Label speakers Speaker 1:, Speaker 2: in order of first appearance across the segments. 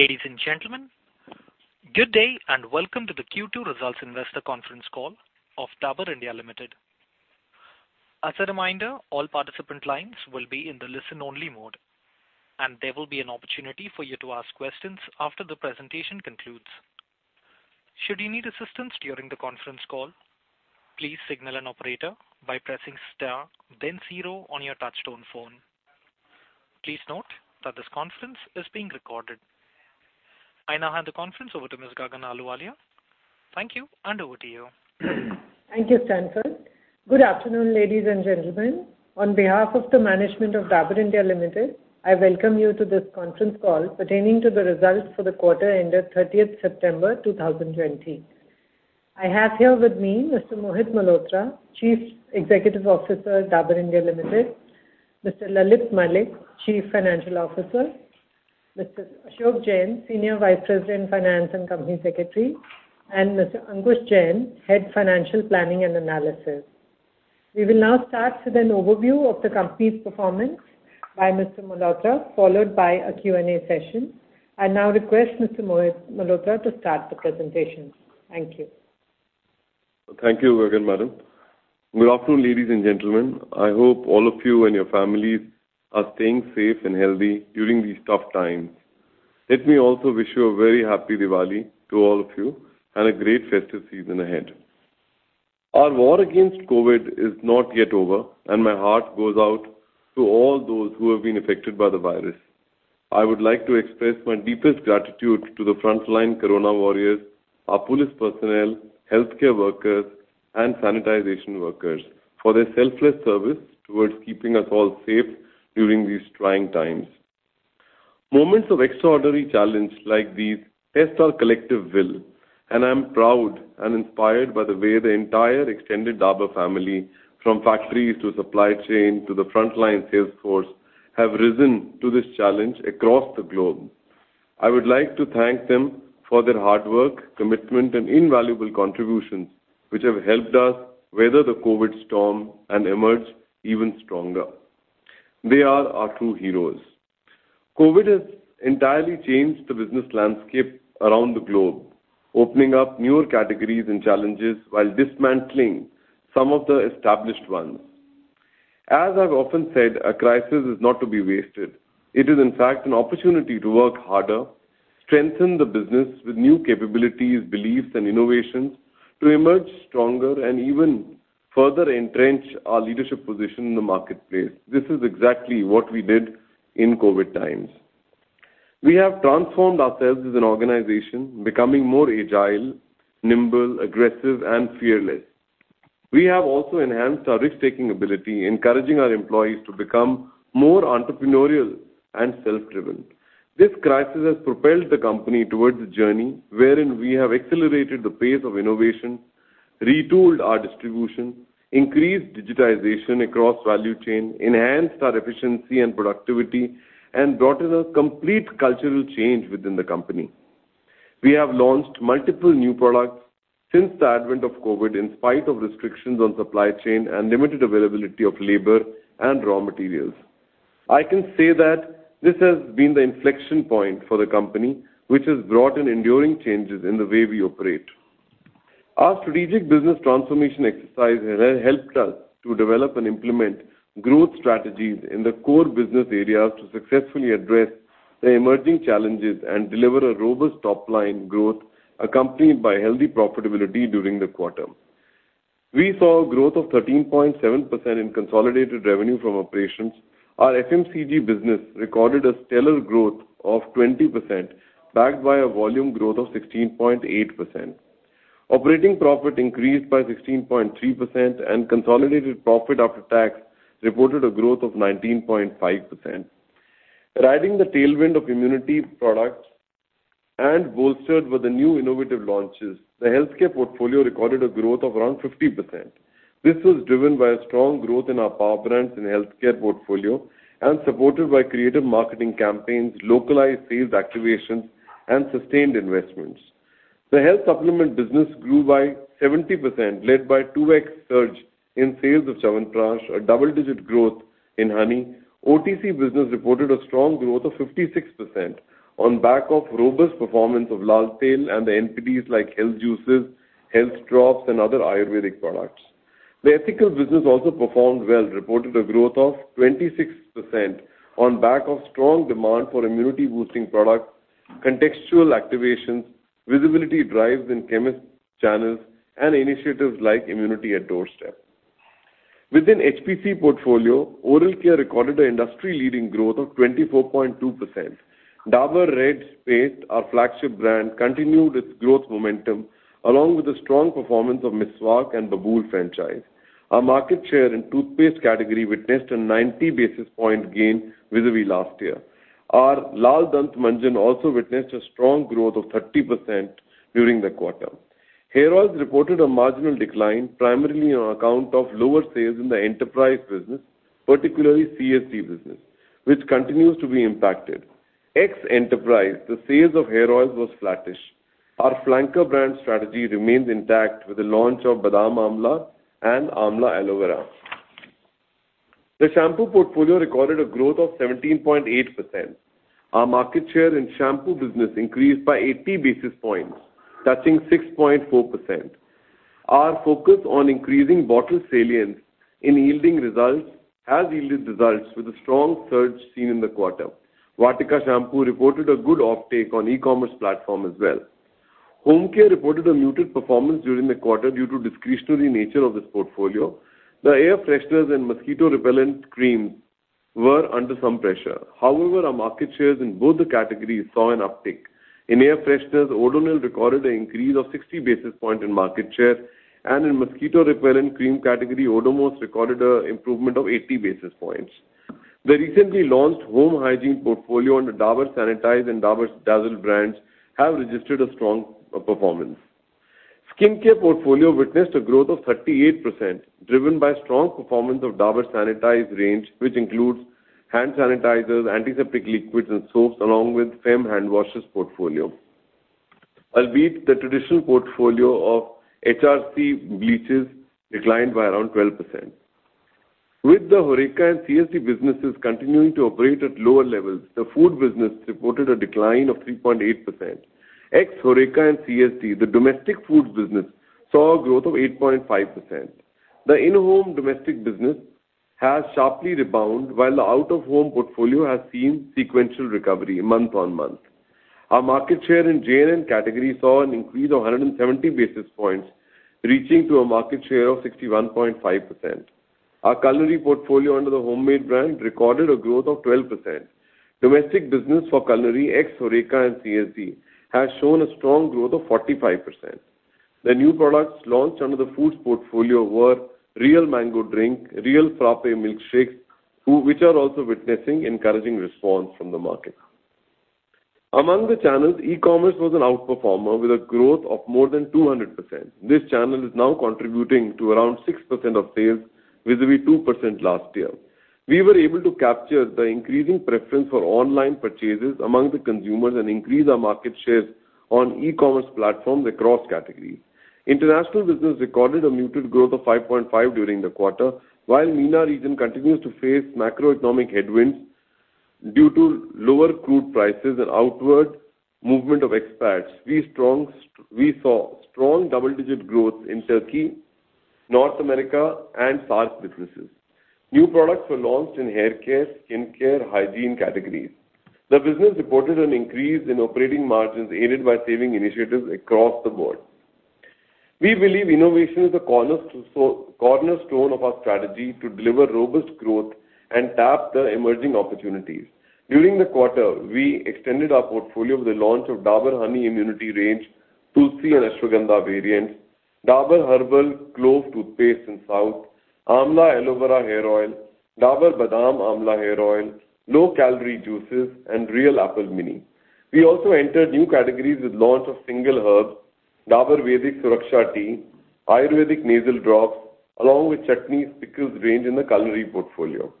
Speaker 1: Ladies and gentlemen, good day and welcome to the Q2 Results Investor Conference Call of Dabur India Limited. As a reminder, all participant lines will be in the listen only mode, and there will be an opportunity for you to ask questions after the presentation concludes. Should you need assistance during the conference call, please signal an operator by pressing star then zero on your touchtone phone. Please note that this conference is being recorded. I now hand the conference over to Ms. Gagan Ahluwalia. Thank you, and over to you.
Speaker 2: Thank you, Stanford. Good afternoon, ladies and gentlemen. On behalf of the management of Dabur India Limited, I welcome you to this conference call pertaining to the results for the quarter ended 30th September 2020. I have here with me Mr. Mohit Malhotra, Chief Executive Officer, Dabur India Limited, Mr. Lalit Malik, Chief Financial Officer, Mr. Ashok Jain, Senior Vice President, Finance and Company Secretary, and Mr. Ankush Jain, Head Financial Planning and Analysis. We will now start with an overview of the company's performance by Mr. Malhotra, followed by a Q&A session. I now request Mr. Mohit Malhotra to start the presentation. Thank you.
Speaker 3: Thank you, Gagan. Good afternoon, ladies and gentlemen. I hope all of you and your families are staying safe and healthy during these tough times. Let me also wish you a very happy Diwali to all of you and a great festive season ahead. Our war against COVID is not yet over. My heart goes out to all those who have been affected by the virus. I would like to express my deepest gratitude to the frontline coronavirus warriors, our police personnel, healthcare workers, and sanitization workers for their selfless service towards keeping us all safe during these trying times. Moments of extraordinary challenge like these test our collective will. I'm proud and inspired by the way the entire extended Dabur family, from factories to supply chain to the frontline sales force, have risen to this challenge across the globe. I would like to thank them for their hard work, commitment, and invaluable contributions, which have helped us weather the COVID storm and emerge even stronger. They are our true heroes. COVID has entirely changed the business landscape around the globe, opening up newer categories and challenges while dismantling some of the established ones. As I've often said, a crisis is not to be wasted. It is, in fact, an opportunity to work harder, strengthen the business with new capabilities, beliefs, and innovations to emerge stronger and even further entrench our leadership position in the marketplace. This is exactly what we did in COVID times. We have transformed ourselves as an organization, becoming more agile, nimble, aggressive, and fearless. We have also enhanced our risk-taking ability, encouraging our employees to become more entrepreneurial and self-driven. This crisis has propelled the company towards a journey wherein we have accelerated the pace of innovation, retooled our distribution, increased digitization across value chain, enhanced our efficiency and productivity, and brought in a complete cultural change within the company. We have launched multiple new products since the advent of COVID, in spite of restrictions on supply chain and limited availability of labor and raw materials. I can say that this has been the inflection point for the company, which has brought in enduring changes in the way we operate. Our strategic business transformation exercise has helped us to develop and implement growth strategies in the core business areas to successfully address the emerging challenges and deliver a robust top-line growth accompanied by healthy profitability during the quarter. We saw growth of 13.7% in consolidated revenue from operations. Our FMCG business recorded a stellar growth of 20%, backed by a volume growth of 16.8%. Operating profit increased by 16.3%, and consolidated profit after tax reported a growth of 19.5%. Riding the tailwind of immunity products and bolstered with the new innovative launches, the healthcare portfolio recorded a growth of around 50%. This was driven by a strong growth in our power brands and healthcare portfolio and supported by creative marketing campaigns, localized sales activations, and sustained investments. The health supplement business grew by 70%, led by 2x surge in sales of Chyawanprash, a double-digit growth in Honey. OTC business reported a strong growth of 56% on back of robust performance of Lal Tail and the NPDs like health juices, health drops, and other Ayurvedic products. The ethical business also performed well, reporting a growth of 26% on back of strong demand for immunity-boosting products, contextual activations, visibility drives in chemist channels, and initiatives like Immunity at Doorstep. Within HPC portfolio, oral care recorded an industry-leading growth of 24.2%. Dabur Red Paste, our flagship brand, continued its growth momentum along with the strong performance of Meswak and Babool franchise. Our market share in toothpaste category witnessed a 90-basis point gain vis-a-vis last year. Our Lal Dant Manjan also witnessed a strong growth of 30% during the quarter. Hair oils reported a marginal decline, primarily on account of lower sales in the enterprise business, particularly CSD business, which continues to be impacted. Ex enterprise, the sales of hair oils was flattish. Our flanker brand strategy remains intact with the launch of Badam Amla and Amla Aloe Vera. The shampoo portfolio recorded a growth of 17.8% Our market share in shampoo business increased by 80 basis points, touching 6.4%. Our focus on increasing bottle salience has yielded results with a strong surge seen in the quarter. Vatika shampoo reported a good uptake on e-commerce platform as well. Home care reported a muted performance during the quarter due to discretionary nature of this portfolio. The air fresheners and mosquito repellent cream were under some pressure. Our market shares in both the categories saw an uptake. In air fresheners, Odonil recorded an increase of 60 basis point in market share, and in mosquito repellent cream category, Odomos recorded an improvement of 80 basis points. The recently launched home hygiene portfolio under Dabur Sanitize and Dabur Dazzl brands have registered a strong performance. Skincare portfolio witnessed a growth of 38%, driven by strong performance of Dabur Sanitize range, which includes hand sanitizers, antiseptic liquids, and soaps, along with Fem hand washes portfolio. Albeit the traditional portfolio of HPC bleaches declined by around 12%. With the HoReCa and CSD businesses continuing to operate at lower levels, the food business reported a decline of 3.8%. Ex-HoReCa and CSD, the domestic foods business saw a growth of 8.5%. The in-home domestic business has sharply rebound while the out-of-home portfolio has seen sequential recovery month on month. Our market share in J&N category saw an increase of 170 basis points, reaching to a market share of 61.5%. Our culinary portfolio under the Hommade brand recorded a growth of 12%. Domestic business for culinary ex-HoReCa and CSD has shown a strong growth of 45%. The new products launched under the foods portfolio were Réal Mango, Réal Frappé Milkshakes, which are also witnessing encouraging response from the market. Among the channels, e-commerce was an outperformer with a growth of more than 200%. This channel is now contributing to around 6% of sales vis-à-vis 2% last year. We were able to capture the increasing preference for online purchases among the consumers and increase our market shares on e-commerce platforms across categories. International business recorded a muted growth of 5.5% during the quarter. While MENA region continues to face macroeconomic headwinds due to lower crude prices and outward movement of expats, we saw strong double-digit growth in Turkey, North America, and SAARC businesses. New products were launched in haircare, skincare, hygiene categories. The business reported an increase in operating margins aided by saving initiatives across the board. We believe innovation is the cornerstone of our strategy to deliver robust growth and tap the emerging opportunities. During the quarter, we extended our portfolio with the launch of Dabur Honey Immunity range, Tulsi and Ashwagandha variants, Dabur Herb'l Clove toothpaste in South, Amla Aloe Vera Hair Oil, Dabur Badam Amla Hair Oil, low-calorie juices, and Réal Apple Mini. We also entered new categories with launch of single herb, Dabur Vedic Suraksha Tea, Ayurvedic Nasal Drops, along with chutneys, pickles range in the culinary portfolio.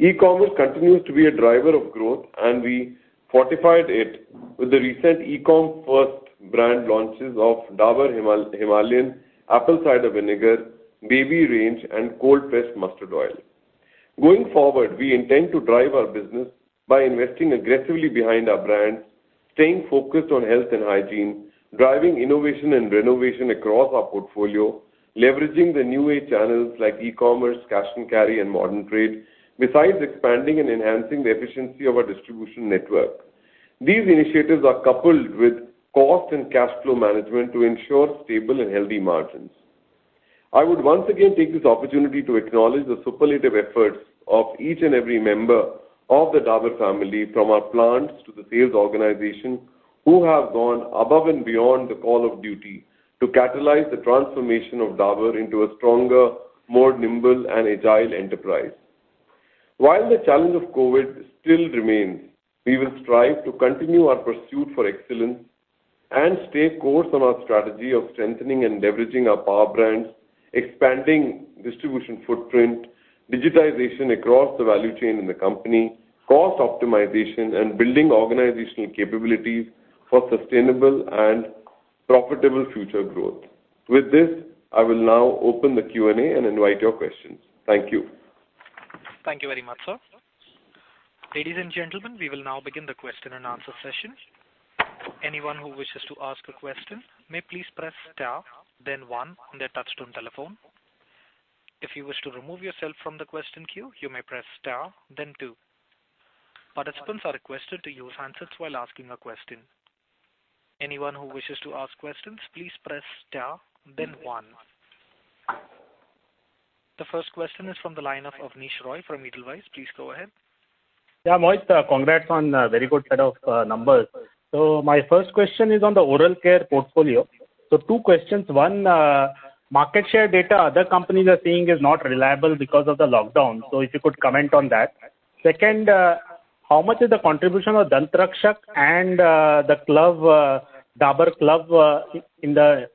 Speaker 3: E-commerce continues to be a driver of growth, and we fortified it with the recent e-com first brand launches of Dabur Himalayan Apple Cider Vinegar, baby range, and cold-pressed mustard oil. Going forward, we intend to drive our business by investing aggressively behind our brands, staying focused on health and hygiene, driving innovation and renovation across our portfolio, leveraging the new age channels like e-commerce, cash and carry, and modern trade, besides expanding and enhancing the efficiency of our distribution network. These initiatives are coupled with cost and cash flow management to ensure stable and healthy margins. I would once again take this opportunity to acknowledge the superlative efforts of each and every member of the Dabur family, from our plants to the sales organization, who have gone above and beyond the call of duty to catalyze the transformation of Dabur into a stronger, more nimble, and agile enterprise. While the challenge of COVID still remains, we will strive to continue our pursuit for excellence and stay course on our strategy of strengthening and leveraging our power brands, expanding distribution footprint, digitization across the value chain in the company, cost optimization, and building organizational capabilities for sustainable and profitable future growth. With this, I will now open the Q&A and invite your questions. Thank you.
Speaker 1: Thank you very much, sir. Ladies and gentlemen, we will now begin the question-and=answer session. Anyone who wishes to ask a question may please press star then one on their touch-tone telephone. If you wish to remove yourself from the question queue, you may press star then two. Participants are requested to use handsets while asking a question. Anyone who wishes to ask questions, please press star then one. The first question is from the line of Abneesh Roy from Edelweiss. Please go ahead.
Speaker 4: Yeah, Mohit, congrats on a very good set of numbers. My first question is on the oral care portfolio. Two questions. One, market share data other companies are seeing is not reliable because of the lockdown. If you could comment on that. Second, how much is the contribution of Dant Rakshak and the Dabur Herb'l Clove in the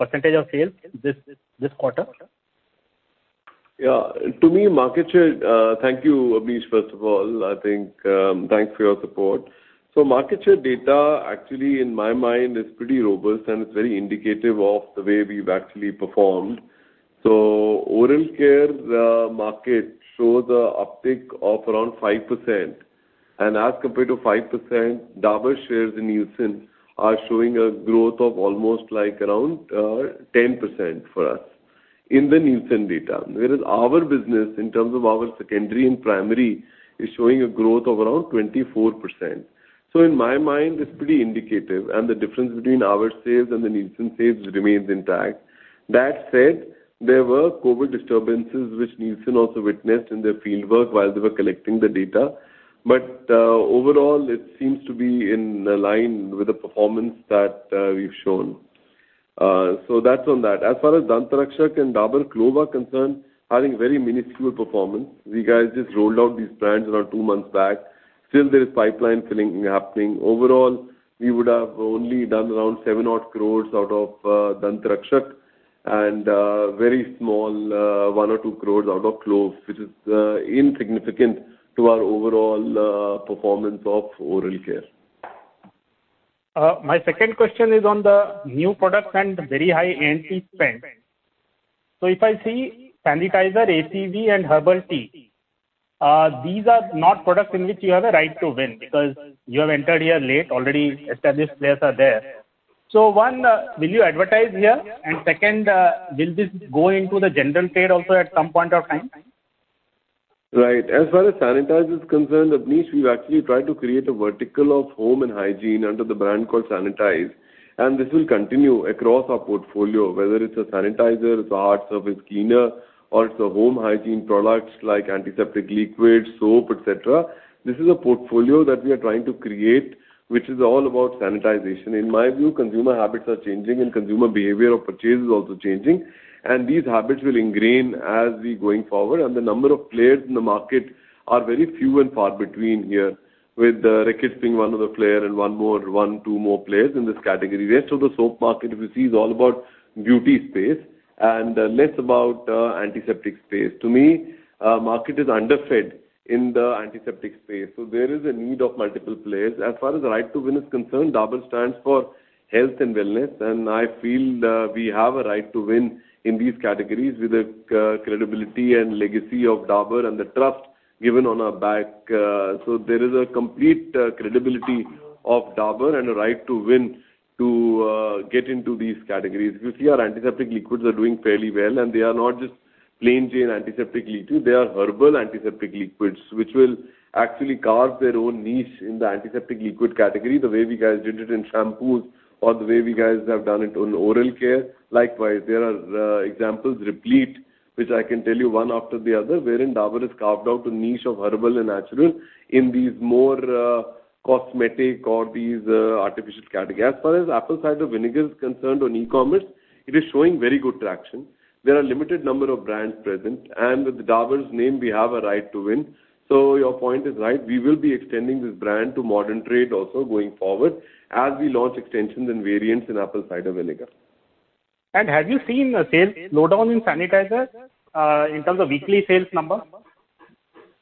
Speaker 4: % of sales this quarter?
Speaker 3: Thank you, Abneesh, first of all. Thanks for your support. Market share data, actually in my mind, is pretty robust, and it's very indicative of the way we've actually performed. Oral care market shows a uptick of around 5%. And as compared to 5%, Dabur shares in Nielsen are showing a growth of almost around 10% for us in the Nielsen data. Whereas our business, in terms of our secondary and primary, is showing a growth of around 24%. In my mind, it's pretty indicative, and the difference between our sales and the Nielsen sales remains intact. That said, there were COVID disturbances which Nielsen also witnessed in their fieldwork while they were collecting the data. Overall, it seems to be in line with the performance that we've shown. That's on that. As far as Dant Rakshak and Dabur Clove are concerned, having very minuscule performance. We guys just rolled out these brands around two months back. Still there is pipeline filling happening. Overall, we would have only done around 7-odd crores out of Dant Rakshak, and very small, 1 or 2 crores out of Clove, which is insignificant to our overall performance of oral care.
Speaker 4: My second question is on the new products and very high A&P spend. If I see Sanitizer, ACV, and herbal tea, these are not products in which you have a right-to-win because you have entered here late. Already established players are there. One, will you advertise here? Second, will this go into the general trade also at some point of time?
Speaker 3: Right. As far as sanitizer is concerned, Abneesh, we've actually tried to create a vertical of home and hygiene under the brand called Sanitize. This will continue across our portfolio, whether it's a sanitizer, it's a hard surface cleaner, or it's a home hygiene product like antiseptic liquid, soap, et cetera. This is a portfolio that we are trying to create, which is all about sanitization. In my view, consumer habits are changing and consumer behavior of purchase is also changing. These habits will ingrain as we going forward. The number of players in the market are very few and far between here, with Reckitt being one of the players and one, two more players in this category. Rest of the soap market, if you see, is all about beauty space and less about antiseptic space. To me, market is underfed in the antiseptic space. There is a need of multiple players. As far as the right to win is concerned, Dabur stands for health and wellness, and I feel we have a right-to-win in these categories with the credibility and legacy of Dabur and the trust given on our back. There is a complete credibility of Dabur and a right to win to get into these categories. If you see, our antiseptic liquids are doing fairly well, and they are not just plain-Jane antiseptic liquid. They are herbal antiseptic liquids, which will actually carve their own niche in the antiseptic liquid category the way we guys did it in shampoos or the way we guys have done it on oral care. There are examples replete, which I can tell you one after the other, wherein Dabur has carved out a niche of herbal and natural in these more cosmetic or these artificial categories. As far as Apple Cider Vinegar is concerned on e-commerce, it is showing very good traction. There are limited number of brands present, and with Dabur's name, we have a right to win. Your point is right. We will be extending this brand to modern trade also going forward as we launch extensions and variants in Apple Cider Vinegar.
Speaker 4: Have you seen a sales slowdown in Sanitizer in terms of weekly sales numbers?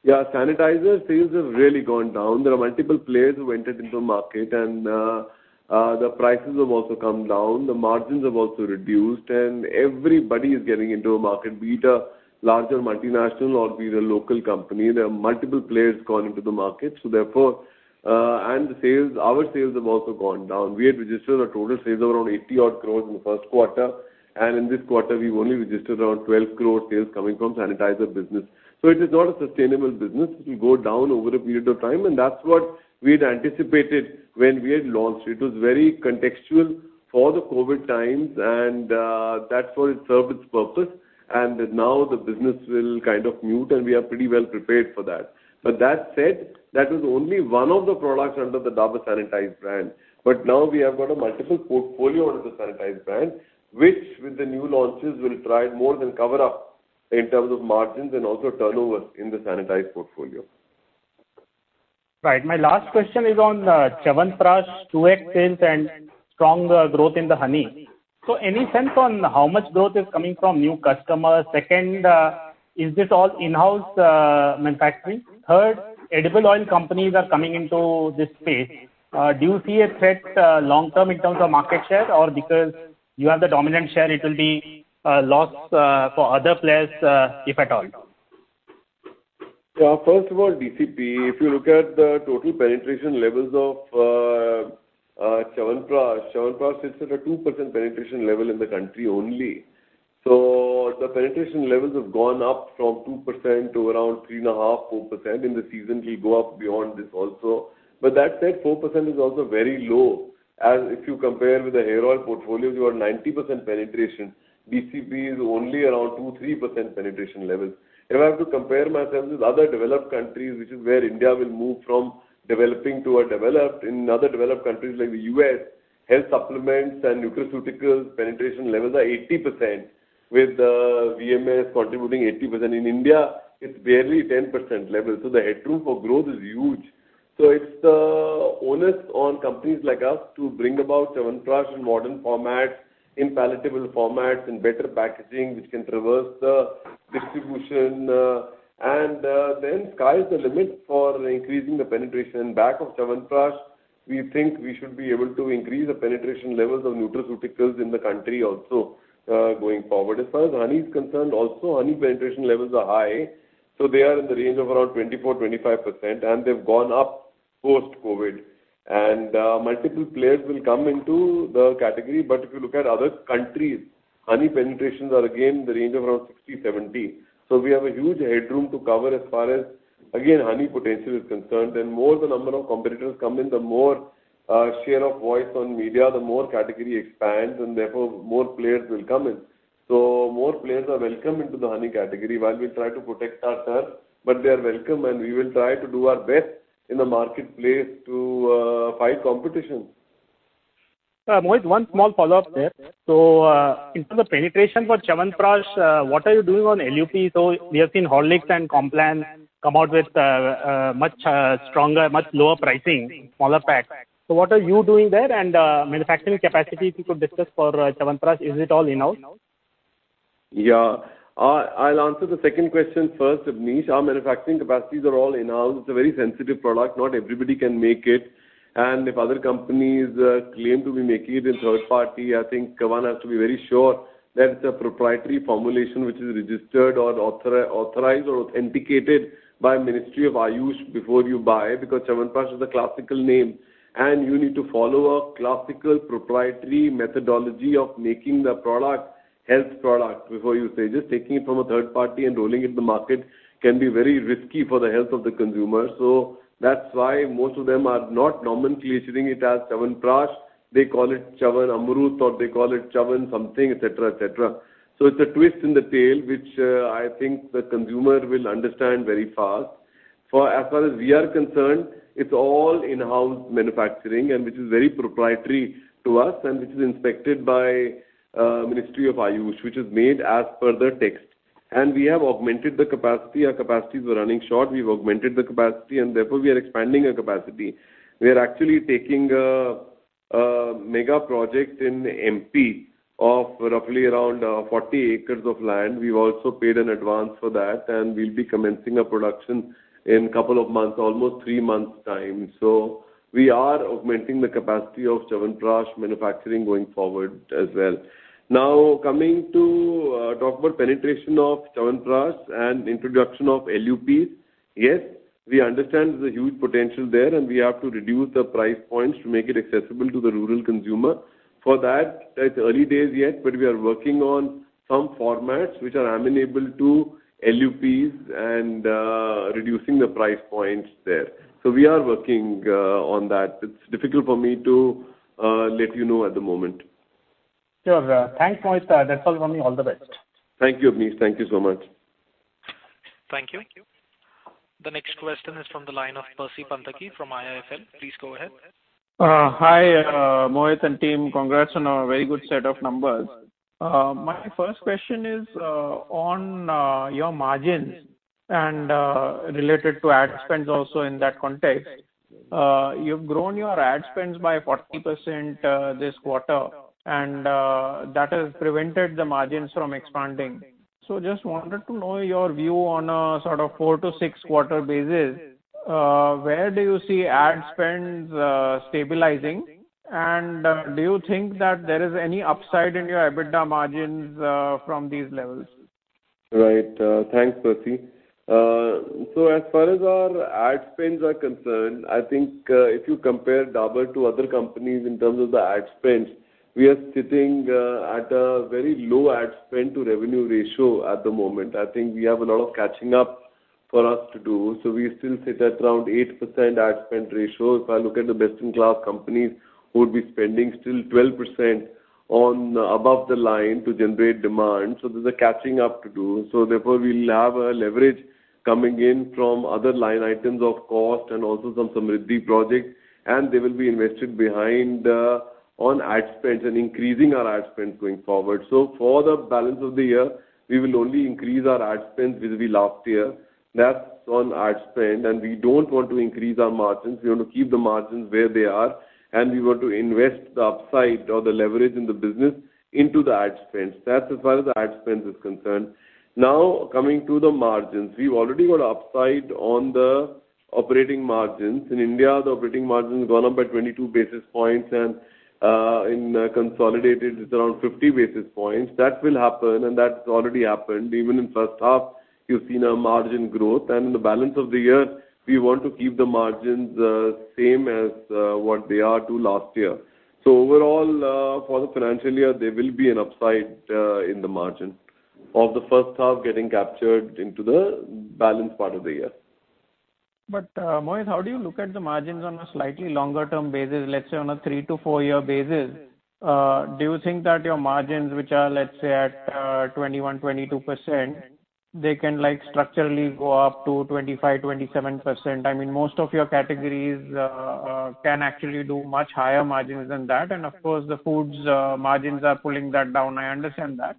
Speaker 3: Yeah, Sanitizer sales have really gone down. There are multiple players who entered into the market and the prices have also come down. The margins have also reduced, and everybody is getting into a market, be it a larger multinational or be it a local company. There are multiple players going into the market. Our sales have also gone down. We had registered a total sales of around 80-odd crores in the first quarter. In this quarter, we've only registered around 12 crore sales coming from Sanitizer business. It is not a sustainable business. It will go down over a period of time, and that's what we had anticipated when we had launched. It was very contextual for the COVID times, and that's where it served its purpose. Now the business will kind of mute, and we are pretty well prepared for that. That said, that is only one of the products under the Dabur Sanitize brand. Now we have got a multiple portfolio under the Sanitize brand, which with the new launches will try more than cover up in terms of margins and also turnovers in the Sanitize portfolio.
Speaker 4: Right. My last question is on Chyawanprash 2x sales and strong growth in the Honey. Any sense on how much growth is coming from new customers? Second, is this all in-house manufacturing? Third, edible oil companies are coming into this space. Do you see a threat long-term in terms of market share? Because you have the dominant share, it will be a loss for other players, if at all?
Speaker 3: DCP, if you look at the total penetration levels of Chyawanprash sits at a 2% penetration level in the country. The penetration levels have gone up from 2% to around 3.5%-4%. In the season, it will go up beyond this also. That said, 4% is also very low as if you compare with the hair oil portfolio, we have a 90% penetration. DCP is only around 2%-3% penetration levels. If I have to compare myself with other developed countries, which is where India will move from developing to a developed, in other developed countries like the U.S., health supplements and nutraceuticals penetration levels are 80%, with VMS contributing 80%. In India, it's barely 10% level. The headroom for growth is huge. It's onus on companies like us to bring about Chyawanprash in modern formats, in palatable formats and better packaging, which can traverse the distribution. Then sky is the limit for increasing the penetration back of Chyawanprash. We think we should be able to increase the penetration levels of nutraceuticals in the country also, going forward. As far as Honey is concerned also, honey penetration levels are high. They are in the range of around 24%-25%, and they've gone up post-COVID. Multiple players will come into the category. If you look at other countries, honey penetrations are again in the range of around 60%-70%. We have a huge headroom to cover as far as, again, honey potential is concerned. More the number of competitors come in, the more share of voice on media, the more category expands, and therefore more players will come in. More players are welcome into the honey category while we try to protect our turf. They are welcome and we will try to do our best in the marketplace to fight competition.
Speaker 4: Mohit, one small follow-up there. In terms of penetration for Chyawanprash, what are you doing on LUP? We have seen Horlicks and Complan come out with much stronger, much lower pricing, smaller packs. What are you doing there? Manufacturing capacity, if you could discuss for Chyawanprash, is it all in-house?
Speaker 3: I'll answer the second question first, Abneesh. Our manufacturing capacities are all in-house. It's a very sensitive product. Not everybody can make it. If other companies claim to be making it in third-party, I think one has to be very sure that it's a proprietary formulation which is registered or authorized or authenticated by Ministry of AYUSH before you buy, because Chyawanprash is a classical name and you need to follow a classical proprietary methodology of making the product, health product before you say. Just taking it from a third-party and rolling it in the market can be very risky for the health of the consumer. That's why most of them are not nomenclature-ing it as Chyawanprash. They call it Chyawan Amrut, or they call it Chyawan something, et cetera. It's a twist in the tale, which I think the consumer will understand very fast. As far as we are concerned, it's all in-house manufacturing and which is very proprietary to us and which is inspected by Ministry of AYUSH, which is made as per the text. We have augmented the capacity. Our capacities were running short. We've augmented the capacity, and therefore we are expanding our capacity. We are actually taking a mega project in MP of roughly around 40 acres of land. We've also paid an advance for that, and we'll be commencing a production in couple of months, almost three months time. We are augmenting the capacity of Chyawanprash manufacturing going forward as well. Coming to talk about penetration of Chyawanprash and introduction of LUPs. We understand the huge potential there, and we have to reduce the price points to make it accessible to the rural consumer. For that, it's early days yet, but we are working on some formats which are amenable to LUPs and reducing the price points there. We are working on that. It's difficult for me to let you know at the moment.
Speaker 4: Sure. Thanks, Mohit. That's all from me. All the best.
Speaker 3: Thank you, Abneesh. Thank you so much.
Speaker 1: Thank you. The next question is from the line of Percy Panthaki from IIFL. Please go ahead.
Speaker 5: Hi, Mohit and team. Congrats on a very good set of numbers. My first question is on your margins and related to ad spends also in that context. You've grown your ad spends by 40% this quarter, and that has prevented the margins from expanding. Just wanted to know your view on a sort of four to six quarter basis. Where do you see ad spends stabilizing, and do you think that there is any upside in your EBITDA margins from these levels?
Speaker 3: Thanks, Percy. As far as our ad spends are concerned, I think if you compare Dabur to other companies in terms of the ad spends, we are sitting at a very low ad spend to revenue ratio at the moment. I think we have a lot of catching up for us to do. We still sit at around 8% ad spend ratio. If I look at the best-in-class companies, who would be spending still 12% on above the line to generate demand. There's a catching up to do. Therefore, we'll have a leverage coming in from other line items of cost and also some Samriddhi projects, and they will be invested behind on ad spends and increasing our ad spends going forward. For the balance of the year, we will only increase our ad spends vis-à-vis last year. That's on ad spend. We don't want to increase our margins. We want to keep the margins where they are, and we want to invest the upside or the leverage in the business into the ad spends. That's as far as the ad spends is concerned. Coming to the margins. We've already got upside on the operating margins. In India, the operating margin has gone up by 22 basis points, and in consolidated, it's around 50 basis points. That will happen, and that's already happened. Even in first half, you've seen a margin growth. In the balance of the year, we want to keep the margins the same as what they are to last year. Overall, for the financial year, there will be an upside in the margin of the first half getting captured into the balance part of the year.
Speaker 5: Mohit, how do you look at the margins on a slightly longer term basis, let's say on a three to four year basis? Do you think that your margins, which are, let's say, at 21%-22%, they can structurally go up to 25%-27%? Most of your categories can actually do much higher margins than that. Of course, the foods margins are pulling that down, I understand that.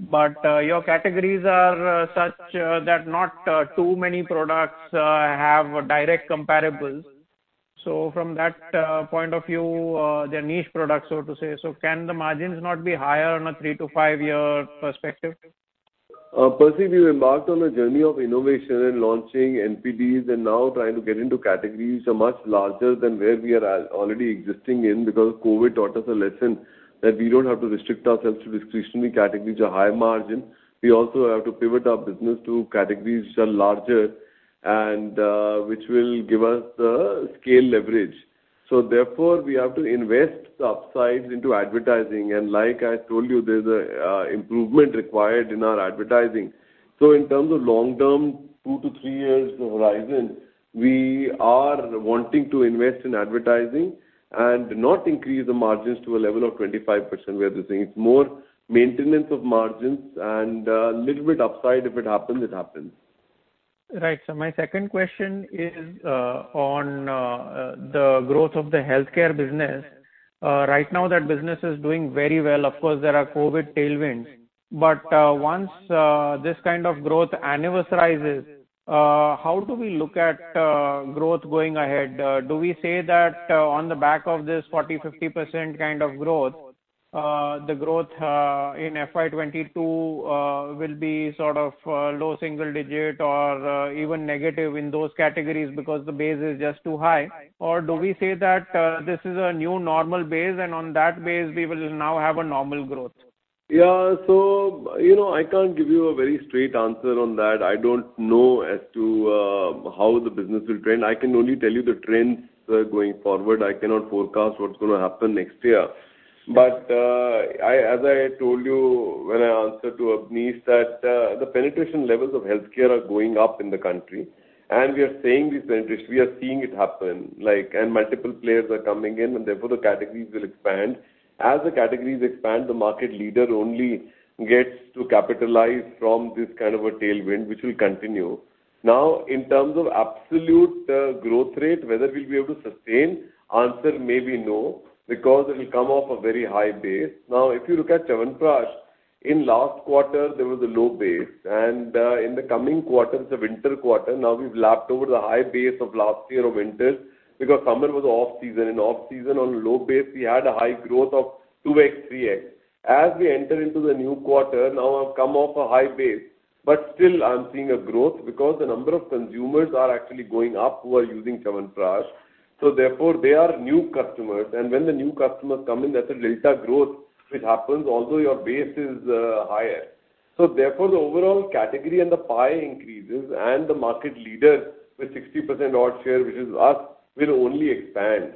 Speaker 5: Your categories are such that not too many products have direct comparables. From that point of view, they're niche products, so to say. Can the margins not be higher on a three to five year perspective?
Speaker 3: Percy, we've embarked on a journey of innovation and launching NPDs and now trying to get into categories are much larger than where we are already existing in, because COVID taught us a lesson that we don't have to restrict ourselves to discretionary categories of high margin. We also have to pivot our business to categories which are larger and which will give us scale leverage. Therefore, we have to invest upside into advertising. Like I told you, there's improvement required in our advertising. In terms of long-term, two to three years horizon, we are wanting to invest in advertising and not increase the margins to a level of 25%, we are saying it's more maintenance of margins and a little bit upside, if it happens, it happens.
Speaker 5: Right. My second question is on the growth of the healthcare business. Right now, that business is doing very well. Of course, there are COVID tailwinds, but once this kind of growth anniversaries, how do we look at growth going ahead? Do we say that on the back of this 40%-50% kind of growth, the growth in FY 2022 will be sort of low single digit or even negative in those categories because the base is just too high? Do we say that this is a new normal base and on that base we will now have a normal growth?
Speaker 3: I can't give you a very straight answer on that. I don't know as to how the business will trend. I can only tell you the trends going forward. I cannot forecast what's going to happen next year. As I told you when I answered to Abneesh, that the penetration levels of healthcare are going up in the country, and we are saying this penetration, we are seeing it happen, and multiple players are coming in and therefore the categories will expand. As the categories expand, the market leader only gets to capitalize from this kind of a tailwind, which will continue. In terms of absolute growth rate, whether we'll be able to sustain, answer may be no, because it will come off a very high base. If you look at Chyawanprash, in last quarter, there was a low base, in the coming quarters, the winter quarter, we've lapped over the high base of last year of winter because summer was off-season. In off-season, on low base, we had a high growth of 2x, 3x. As we enter into the new quarter, now I've come off a high base, but still I'm seeing a growth because the number of consumers are actually going up who are using Chyawanprash. Therefore, they are new customers. When the new customers come in, that's a delta growth which happens although your base is higher. Therefore, the overall category and the pie increases and the market leader with 60% odd share, which is us, will only expand.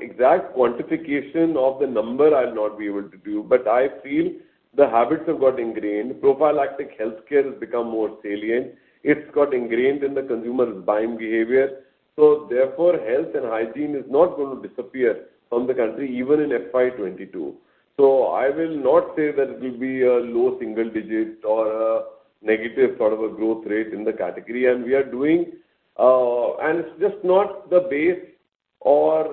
Speaker 3: Exact quantification of the number I'll not be able to do. I feel the habits have got ingrained. Prophylactic healthcare has become more salient. It's got ingrained in the consumer's buying behavior. Therefore, health and hygiene is not going to disappear from the country even in FY 2022. I will not say that it will be a low single-digit or a negative sort of a growth rate in the category. It is just not the base or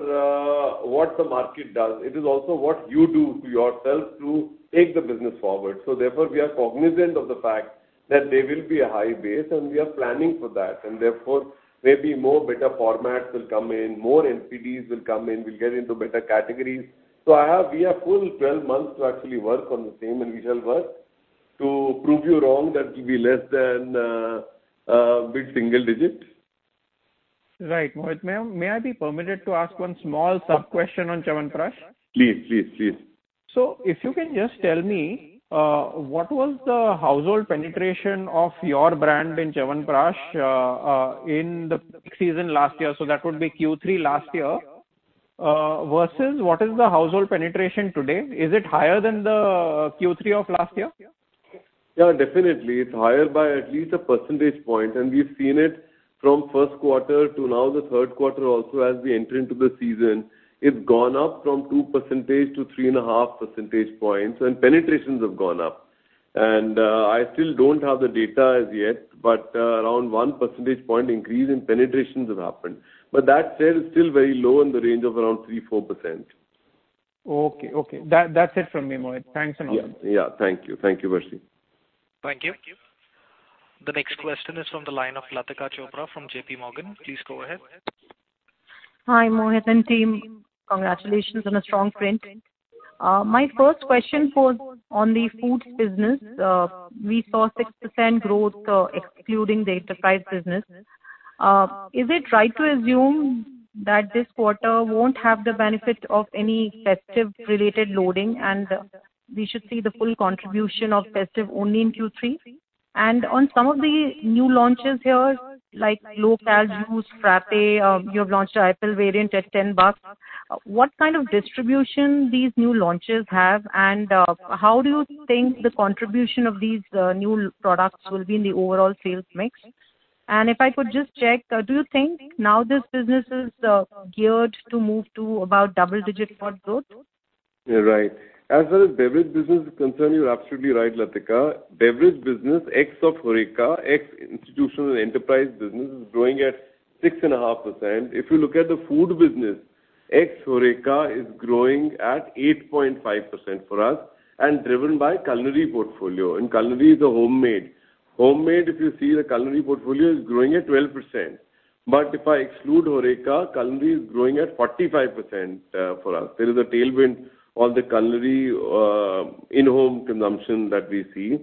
Speaker 3: what the market does. It is also what you do to yourself to take the business forward. Therefore, we are cognizant of the fact that there will be a high base and we are planning for that. Therefore, maybe more better formats will come in, more NPDs will come in. We'll get into better categories. We have full 12 months to actually work on the same, and we shall work to prove you wrong that it will be less than mid-single-digit.
Speaker 5: Right. Mohit, may I be permitted to ask one small sub-question on Chyawanprash?
Speaker 3: Please.
Speaker 5: If you can just tell me what was the household penetration of your brand in Chyawanprash in the peak season last year, so that would be Q3 last year, versus what is the household penetration today? Is it higher than the Q3 of last year?
Speaker 3: Yeah, definitely. It's higher by at least a percentage point, and we've seen it from first quarter to now the third quarter also as we enter into the season. It's gone up from 2 percentage to 3.5 percentage points, and penetrations have gone up. I still don't have the data as yet, but around one percentage point increase in penetrations have happened. That said is still very low in the range of around 3%-4%.
Speaker 5: Okay. That's it from me, Mohit. Thanks a lot.
Speaker 3: Yeah. Thank you, Percy.
Speaker 1: Thank you. The next question is from the line of Latika Chopra from JPMorgan. Please go ahead.
Speaker 6: Hi, Mohit and team. Congratulations on a strong print. My first question on the foods business. We saw 6% growth excluding the enterprise business. Is it right to assume that this quarter won't have the benefit of any festive related loading and we should see the full contribution of festive only in Q3? On some of the new launches here, like low-cal juice, frappe, you have launched an LUP variant at INR 10. What kind of distribution these new launches have and how do you think the contribution of these new products will be in the overall sales mix? If I could just check, do you think now this business is geared to move to about double-digit core growth?
Speaker 3: Right. As far as beverage business is concerned, you are absolutely right, Latika. Beverage business ex of HoReCa, ex-institutional enterprise business is growing at 6.5%. If you look at the food business, X HoReCa is growing at 8.5% for us and driven by culinary portfolio, and culinary is a Hommade, if you see the culinary portfolio, is growing at 12%. If I exclude HoReCa, culinary is growing at 45% for us. There is a tailwind on the culinary in-home consumption that we see.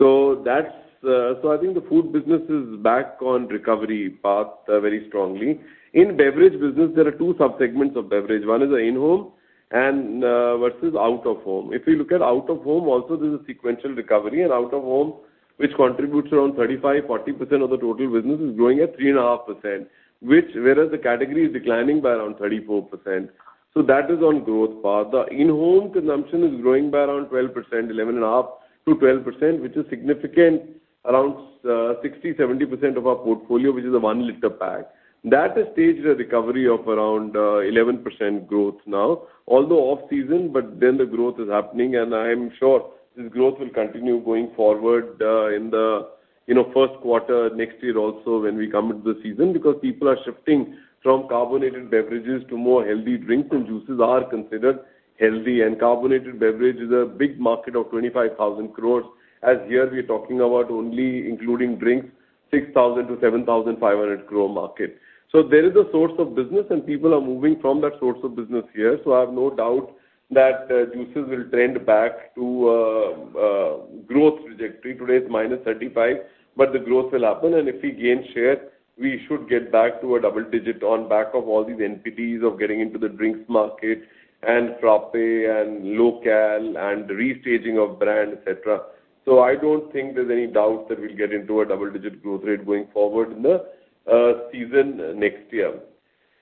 Speaker 3: I think the food business is back on recovery path very strongly. In beverage business, there are two sub-segments of beverage. One is the in-home versus out-of-home. If you look at out-of-home also, there is a sequential recovery. Out-of-home, which contributes around 35%-40% of the total business, is declining at 35%, whereas the category is declining by around 34%. That is on growth path. The in-home consumption is growing by around 11.5% to 12%, which is significant. Around 60%-70% of our portfolio, which is a 1 L pack. That has staged a recovery of around 11% growth now. Although off-season, the growth is happening, and I am sure this growth will continue going forward in the first quarter next year also when we come into the season. People are shifting from carbonated beverages to more healthy drinks, and juices are considered healthy. Carbonated beverage is a big market of 25,000 crores, as here we're talking about only including drinks 6,000 crores-7,500 crores market. There is a source of business, and people are moving from that source of business here. I have no doubt that juices will trend back to growth trajectory. Today it's -35%, but the growth will happen. If we gain share, we should get back to a double-digit on back of all these NPDs of getting into the drinks market, Frappé, low-cal, and restaging of brand, et cetera. I don't think there's any doubt that we'll get into a double-digit growth rate going forward in the season next year.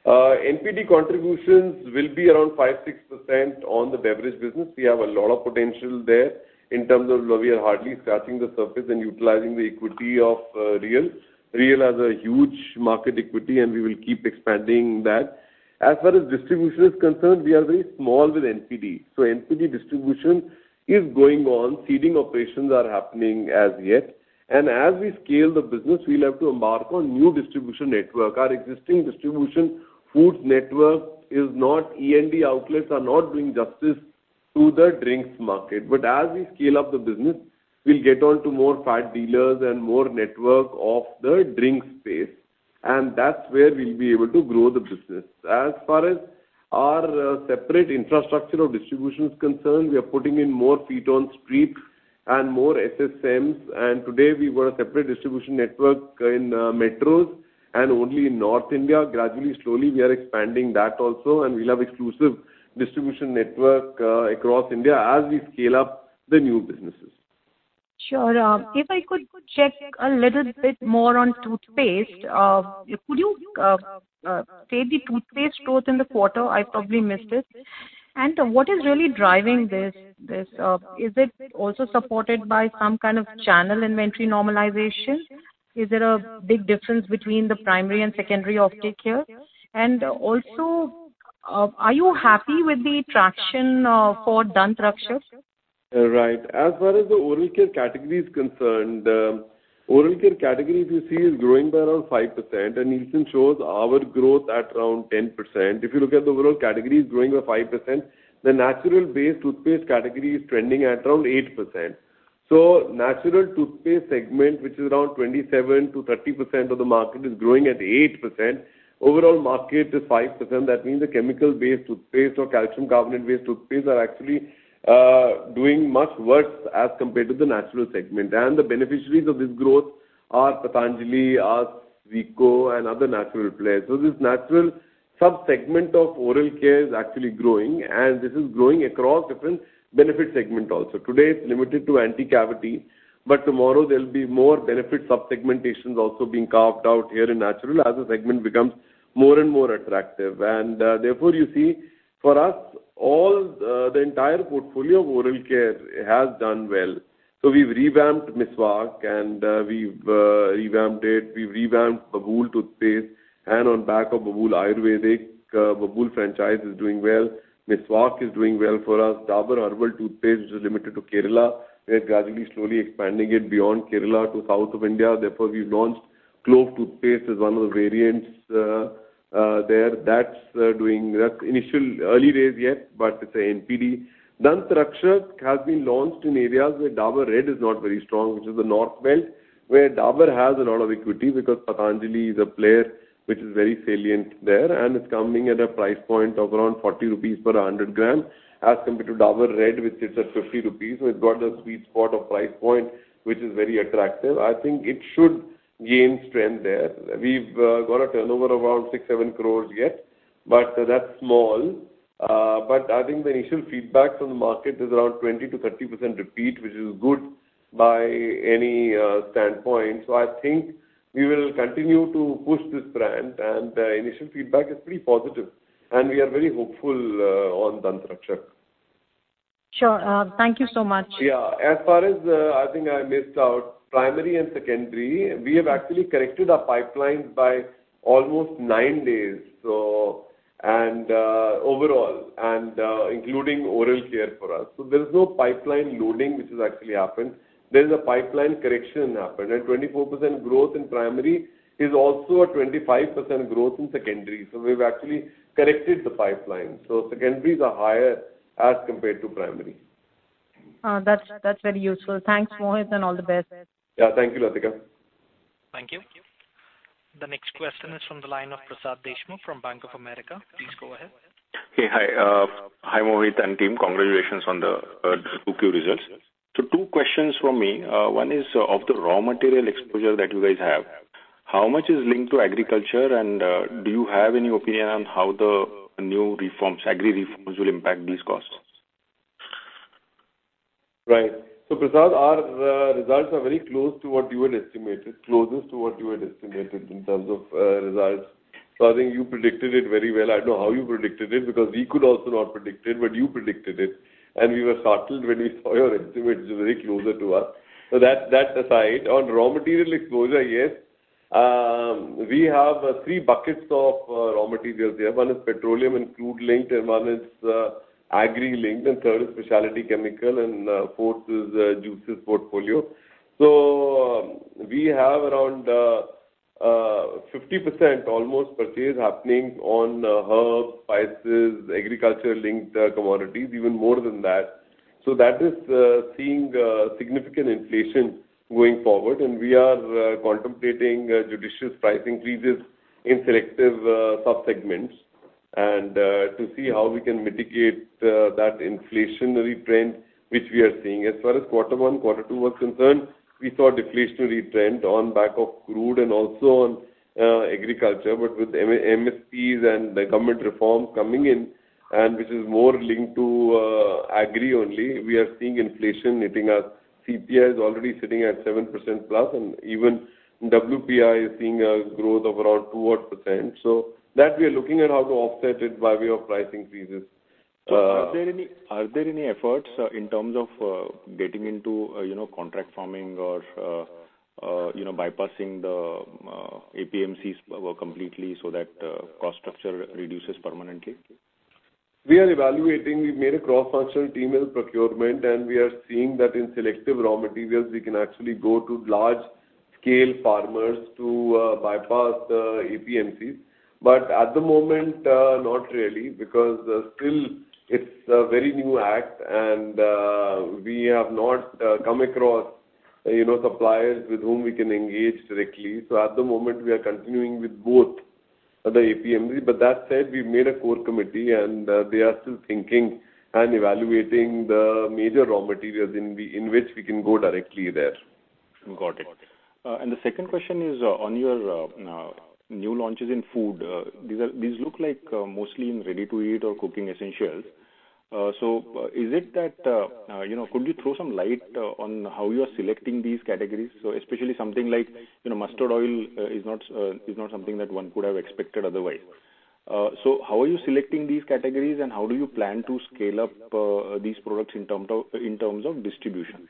Speaker 3: NPD contributions will be around 5%-6% on the beverage business. We have a lot of potential there in terms of we are hardly scratching the surface and utilizing the equity of Réal. Réal has a huge market equity, and we will keep expanding that. As far as distribution is concerned, we are very small with NPD. NPD distribution is going on, seeding operations are happening as yet. As we scale the business, we'll have to embark on new distribution network. Our existing distribution foods network, E&D outlets are not doing justice to the drinks market. As we scale up the business, we'll get on to more F&B dealers and more network of the drinks space. That's where we'll be able to grow the business. As far as our separate infrastructure of distribution is concerned, we are putting in more feet on street and more SSMs. Today we've got a separate distribution network in metros and only in North India. Gradually, slowly, we are expanding that also, and we'll have exclusive distribution network across India as we scale up the new businesses.
Speaker 6: Sure. If I could check a little bit more on toothpaste. Could you state the toothpaste growth in the quarter? I probably missed it. What is really driving this? Is it also supported by some kind of channel inventory normalization? Is there a big difference between the primary and secondary offtake here? Also, are you happy with the traction for Dant Rakshak?
Speaker 3: Right. As far as the Oral Care category is concerned, Oral Care category, if you see, is growing by around 5%, and Nielsen shows our growth at around 10%. If you look at the overall category is growing by 5%, the natural-based toothpaste category is trending at around 8%. Natural toothpaste segment, which is around 27%-30% of the market, is growing at 8%. Overall market is 5%. That means the chemical-based toothpaste or calcium carbonate-based toothpaste are actually doing much worse as compared to the natural segment. The beneficiaries of this growth are Patanjali, are Vicco and other natural players. This natural sub-segment of oral care is actually growing, and this is growing across different benefit segment also. Today, it's limited to anti-cavity, tomorrow there'll be more benefit sub-segmentations also being carved out here in natural as the segment becomes more and more attractive. Therefore you see, for us, all the entire portfolio of oral care has done well. We've revamped Meswak, and we've revamped it. We've revamped Babool toothpaste. On back of Babool Ayurvedic, Babool franchise is doing well. Meswak is doing well for us. Dabur Herb'l Toothpaste, which is limited to Kerala, we are gradually, slowly expanding it beyond Kerala to south of India. We've launched clove toothpaste as one of the variants there. That's initial early days yet, but it's a NPD. Dant Rakshak has been launched in areas where Dabur Red is not very strong, which is the north belt, where Dabur has a lot of equity because Patanjali is a player which is very salient there, and it's coming at a price point of around 40 rupees per 100 g as compared to Dabur Red, which sits at 50 rupees. It's got a sweet spot of price point which is very attractive. I think it should gain strength there. We've got a turnover of around 6 crores-7 crores yet, but that's small. I think the initial feedback from the market is around 20%-30% repeat, which is good by any standpoint. I think we will continue to push this brand, and initial feedback is pretty positive. We are very hopeful on Dant Rakshak.
Speaker 6: Sure. Thank you so much.
Speaker 3: Yeah. As far as, I think I missed out primary and secondary, we have actually corrected our pipelines by almost nine days overall, and including Oral Care for us. There's no pipeline loading which has actually happened. There's a pipeline correction happened, and 24% growth in primary is also a 25% growth in secondary. We've actually corrected the pipeline. Secondaries are higher as compared to primary.
Speaker 6: That's very useful. Thanks, Mohit, and all the best.
Speaker 3: Yeah. Thank you, Latika.
Speaker 1: Thank you. The next question is from the line of Prasad Deshmukh from Bank of America. Please go ahead.
Speaker 7: Hi, Mohit and team. Congratulations on the 2Q results. Two questions from me. One is, of the raw material exposure that you guys have, how much is linked to agriculture? Do you have any opinion on how the new agri reforms will impact these costs?
Speaker 3: Right. Prasad, our results are very close to what you had estimated, closest to what you had estimated in terms of results. I think you predicted it very well. I don't know how you predicted it, because we could also not predict it, but you predicted it, and we were startled when we saw your estimate, which is very closer to us. That aside, on raw material exposure, yes, we have three buckets of raw materials here. One is petroleum and crude-linked, and one is agri-linked, and third is specialty chemical, and fourth is juices portfolio. We have around 50% almost purchase happening on herbs, spices, agriculture-linked commodities, even more than that. That is seeing significant inflation going forward, and we are contemplating judicious price increases in selective sub-segments, and to see how we can mitigate that inflationary trend which we are seeing. As far as quarter one, quarter two was concerned, we saw deflationary trend on back of crude and also on agriculture. With MSPs and the government reforms coming in, and which is more linked to agri only, we are seeing inflation hitting us. CPI is already sitting at 7%+, and even WPI is seeing a growth of around 2% odd. We are looking at how to offset it by way of price increases.
Speaker 7: Are there any efforts in terms of getting into contract farming or bypassing the APMCs completely so that cost structure reduces permanently?
Speaker 3: We are evaluating. We've made a cross-functional team in procurement, and we are seeing that in selective raw materials, we can actually go to large-scale farmers to bypass the APMCs. At the moment, not really, because still it's a very new act and we have not come across suppliers with whom we can engage directly. At the moment, we are continuing with both the APMCs. That said, we've made a core committee and they are still thinking and evaluating the major raw materials in which we can go directly there.
Speaker 7: Got it. The second question is on your new launches in food. These look like mostly in ready-to-eat or cooking essentials. Could you throw some light on how you are selecting these categories? Especially something like mustard oil is not something that one could have expected otherwise. How are you selecting these categories, and how do you plan to scale up these products in terms of distribution?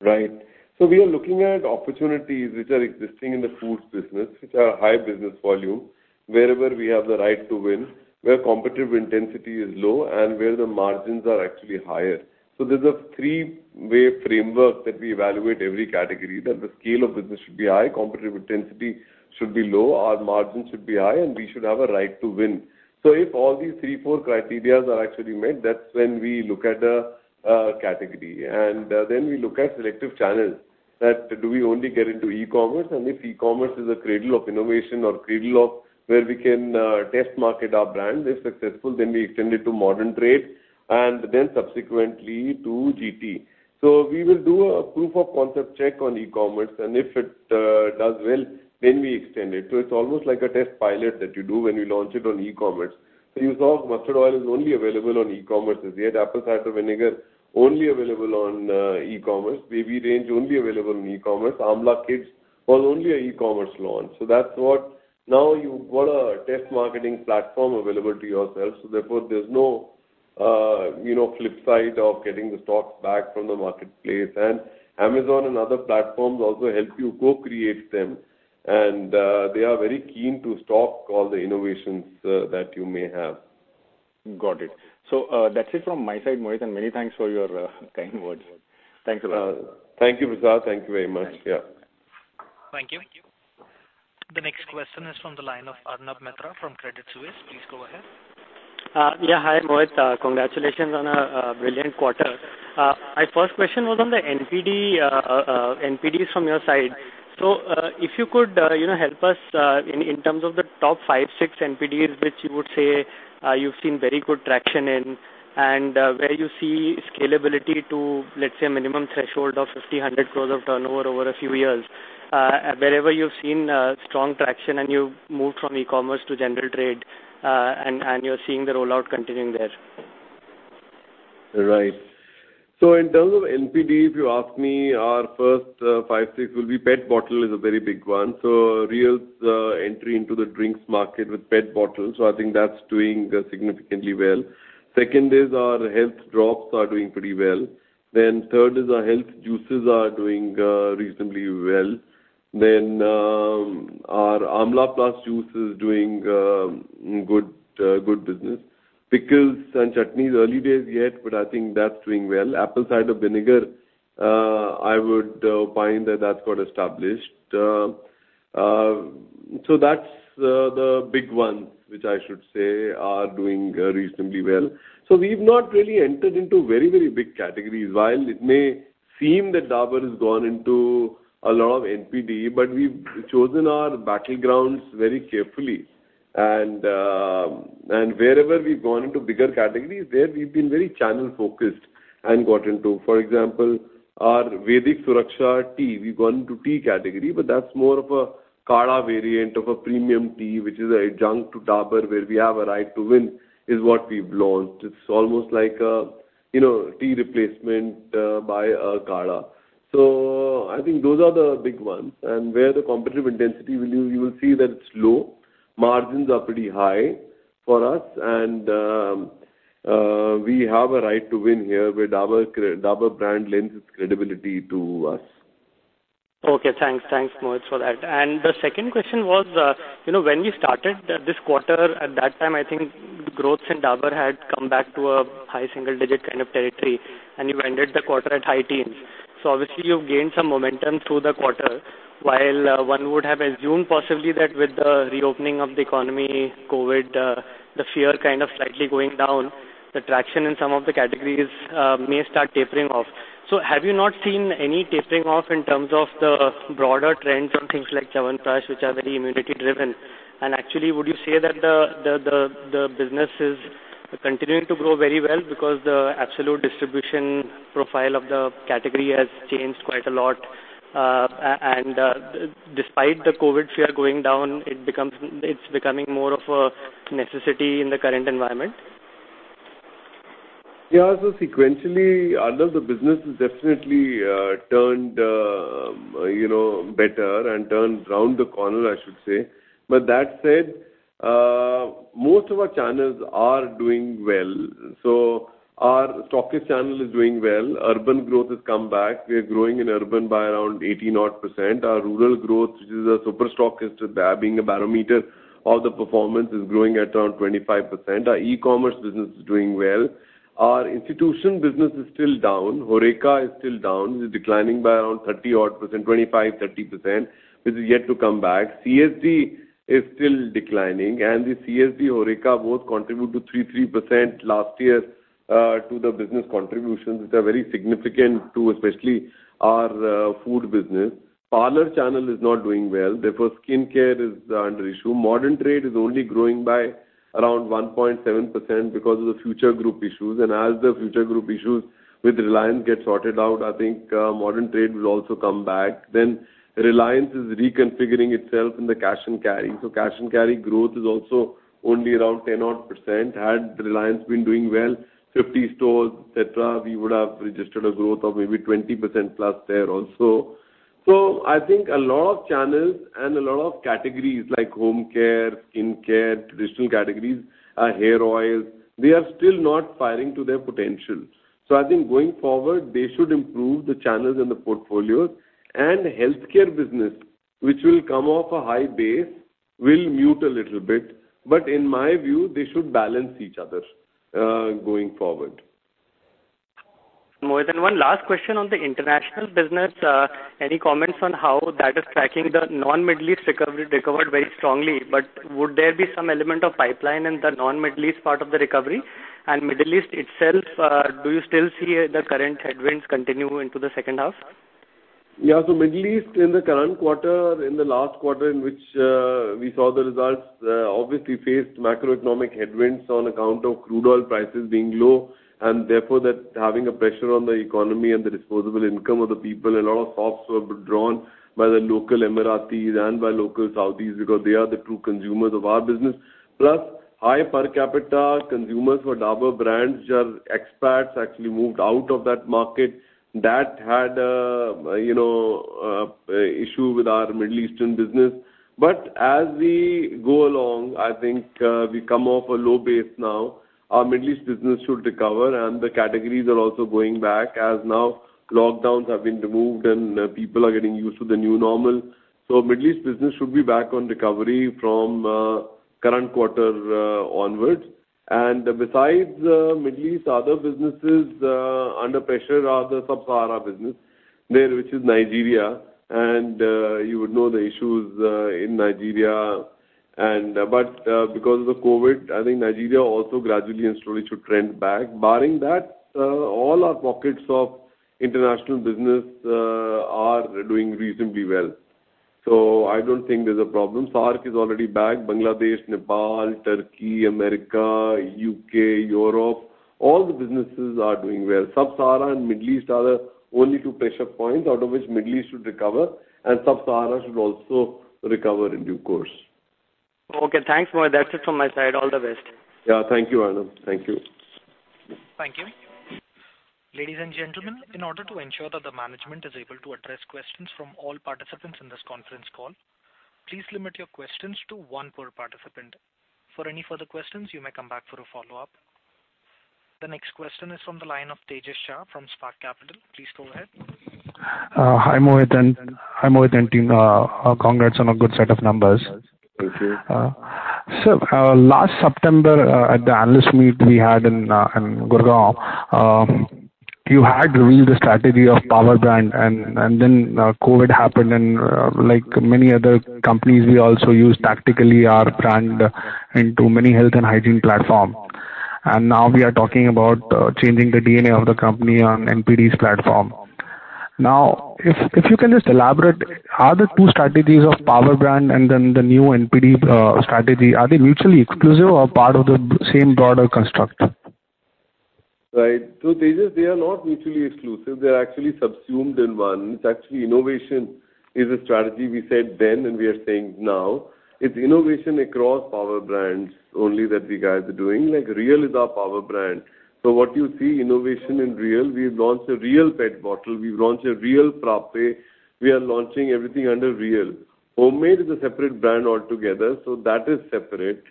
Speaker 3: Right. We are looking at opportunities which are existing in the foods business, which are high business volume, wherever we have the right to win, where competitive intensity is low, and where the margins are actually higher. There's a three-way framework that we evaluate every category, that the scale of business should be high, competitive intensity should be low, our margin should be high, and we should have a right to win. If all these three, four criteria are actually met, that's when we look at a category. Then we look at selective channels, that do we only get into e-commerce? If e-commerce is a cradle of innovation or cradle of where we can test market our brand, if successful, then we extend it to modern trade and then subsequently to GT. We will do a proof-of-concept check on e-commerce, and if it does well, then we extend it. It's almost like a test pilot that you do when you launch it on e-commerce. You saw mustard oil is only available on e-commerce as yet. Apple cider vinegar, only available on e-commerce. Baby range, only available on e-commerce. Amla Kids was only an e-commerce launch. That's what, now you've got a test marketing platform available to yourself, so therefore there's no flip side of getting the stocks back from the marketplace. Amazon and other platforms also help you co-create them. They are very keen to stock all the innovations that you may have.
Speaker 7: Got it. That's it from my side, Mohit, and many thanks for your kind words. Thanks a lot.
Speaker 3: Thank you, Prasad. Thank you very much. Yeah.
Speaker 1: Thank you. The next question is from the line of Arnab Mitra from Credit Suisse. Please go ahead.
Speaker 8: Hi, Mohit. Congratulations on a brilliant quarter. My first question was on the NPDs from your side. If you could help us in terms of the top five, six NPDs, which you would say you've seen very good traction in, and where you see scalability to, let's say, a minimum threshold of 50 crores-100 crores of turnover over a few years. Wherever you've seen strong traction and you've moved from e-commerce to general trade, and you're seeing the rollout continuing there.
Speaker 3: Right. In terms of NPD, if you ask me, our first five, six will be PET bottle is a very big one. Réal's entry into the drinks market with PET bottles. I think that's doing significantly well. Second is our health drops are doing pretty well. Third is our health juices are doing reasonably well. Our Amla Plus juice is doing good business. Pickles and chutneys, early days yet, but I think that's doing well. Apple cider vinegar, I would opine that that's got established. That's the big ones, which I should say are doing reasonably well. We've not really entered into very big categories. While it may seem that Dabur has gone into a lot of NPD, but we've chosen our battlegrounds very carefully. Wherever we've gone into bigger categories, there we've been very channel-focused and got into. For example, our Vedic Suraksha Tea, we've gone into tea category, but that's more of a Kadha variant of a premium tea, which is an adjunct to Dabur, where we have a right-to-win is what we've launched. It's almost like a tea replacement by a kadha. I think those are the big ones and where the competitive intensity will be, you will see that it's low. Margins are pretty high for us and we have a right to win here where Dabur brand lends its credibility to us.
Speaker 8: Okay, thanks. Thanks, Mohit, for that. The second question was, when you started this quarter, at that time, I think growth in Dabur had come back to a high single-digit kind of territory, and you ended the quarter at high teens. Obviously, you've gained some momentum through the quarter. While one would have assumed possibly that with the reopening of the economy, COVID, the fear kind of slightly going down, the traction in some of the categories may start tapering off. Have you not seen any tapering off in terms of the broader trends on things like Chyawanprash, which are very immunity-driven? Actually, would you say that the business is continuing to grow very well because the absolute distribution profile of the category has changed quite a lot, and despite the COVID fear going down, it's becoming more of a necessity in the current environment?
Speaker 3: Yeah. Sequentially, although the business has definitely turned better and turned round the corner, I should say. That said, most of our channels are doing well. Our stockist channel is doing well. Urban growth has come back. We are growing in urban by around 8-odd%. Our rural growth, which is a super stockist, being a barometer of the performance, is growing at around 25%. Our e-commerce business is doing well. Our institution business is still down. HoReCa is still down. It's declining by around 30-odd%, 25%, 30%, which is yet to come back. CSD is still declining, and the CSD HoReCa both contribute to 3%, 3% last year to the business contributions. These are very significant too, especially our food business. Parlor channel is not doing well. Therefore, skincare is under issue. Modern trade is only growing by around 1.7% because of the Future Group issues. As the Future Group issues with Reliance get sorted out, I think modern trade will also come back. Reliance is reconfiguring itself in the cash and carry. Cash and carry growth is also only around 10-odd%. Had Reliance been doing well, 50 stores, et cetera, we would have registered a growth of maybe 20%+ there also. I think a lot of channels and a lot of categories like home care, skin care, traditional categories, hair oils, they are still not firing to their potential. I think going forward, they should improve the channels and the portfolios. The healthcare business, which will come off a high base, will mute a little bit. In my view, they should balance each other going forward.
Speaker 8: Mohit, one last question on the international business. Any comments on how that is tracking? The non-Middle East recovered very strongly, would there be some element of pipeline in the non-Middle East part of the recovery? Middle East itself, do you still see the current headwinds continue into the second half?
Speaker 3: Middle East in the current quarter, in the last quarter in which we saw the results, obviously faced macroeconomic headwinds on account of crude oil prices being low, and therefore that having a pressure on the economy and the disposable income of the people, a lot of spends were down by the local Emiratis and by local Saudis because they are the true consumers of our business. High per capita consumers for Dabur brands, which are expats, actually moved out of that market. That had a issue with our Middle Eastern business. As we go along, I think we come off a low base now. Our Middle East business should recover and the categories are also going back as now lockdowns have been removed and people are getting used to the new normal. Middle East business should be back on recovery from current quarter onwards. Besides Middle East, other businesses under pressure are the Sub-Sahara business there, which is Nigeria, and you would know the issues in Nigeria. Because of the COVID, I think Nigeria also gradually and slowly should trend back. Barring that, all our pockets of international business are doing reasonably well. I don't think there's a problem. SAARC is already back. Bangladesh, Nepal, Turkey, America, U.K., Europe, all the businesses are doing well. Sub-Sahara and Middle East are the only two pressure points out of which Middle East should recover, and Sub-Sahara should also recover in due course.
Speaker 8: Okay. Thanks, Mohit. That's it from my side. All the best.
Speaker 3: Yeah. Thank you, Arnab. Thank you.
Speaker 1: Thank you. Ladies and gentlemen, in order to ensure that the management is able to address questions from all participants in this conference call, please limit your questions to one per participant. For any further questions, you may come back for a follow-up. The next question is from the line of Tejas Shah from Spark Capital. Please go ahead.
Speaker 9: Hi, Mohit and team. Congrats on a good set of numbers.
Speaker 3: Thank you.
Speaker 9: Sir, last September at the Analyst Meet we had in Gurgaon, you had revealed the strategy of power brand, and then COVID happened, and like many other companies, we also used tactically our brand into many health and hygiene platforms. Now we are talking about changing the DNA of the company on NPD platform. If you can just elaborate, are the two strategies of power brand and then the new NPD strategy, are they mutually exclusive or part of the same broader construct?
Speaker 3: Right. Tejas, they are not mutually exclusive. They're actually subsumed in one. It's actually innovation is a strategy we said then, and we are saying now. It's innovation across power brands only that we guys are doing. Like Réal is our power brand. What you see, innovation in Réal, we've launched a Réal PET bottle, we've launched a Réal Frappé, we are launching everything under Réal. Hommade is a separate brand altogether, so that is separate.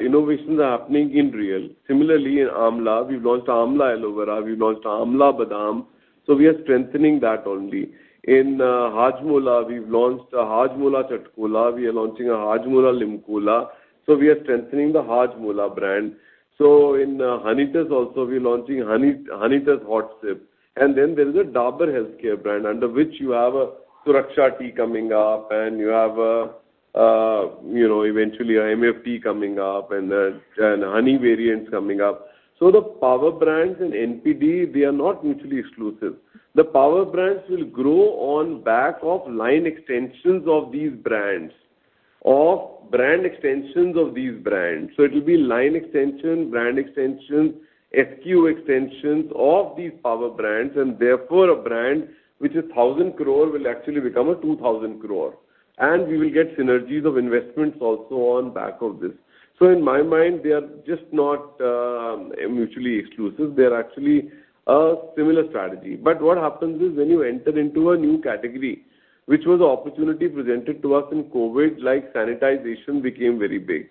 Speaker 3: Innovations are happening in Réal. Similarly, in Amla, we've launched Amla Aloe Vera, we've launched Amla Badam, so we are strengthening that only. In Hajmola, we've launched a Hajmola Chatcola, we are launching a Hajmola LimCola. We are strengthening the Hajmola brand. In Honitus also, we're launching Honitus Hot Sip. Then there's a Dabur Healthcare brand, under which you have a Suraksha Tea coming up, and you have eventually a MFD coming up, and Honey variants coming up. The power brands and NPD, they are not mutually exclusive. The power brands will grow on back of line extensions of these brands or brand extensions of these brands. It will be line extension, brand extension, SKU extensions of these power brands, and therefore a brand which is 1,000 crores will actually become a 2,000 crores. We will get synergies of investments also on back of this. In my mind, they are just not mutually exclusive. They're actually a similar strategy. What happens is, when you enter into a new category, which was a opportunity presented to us in COVID, like sanitization became very big.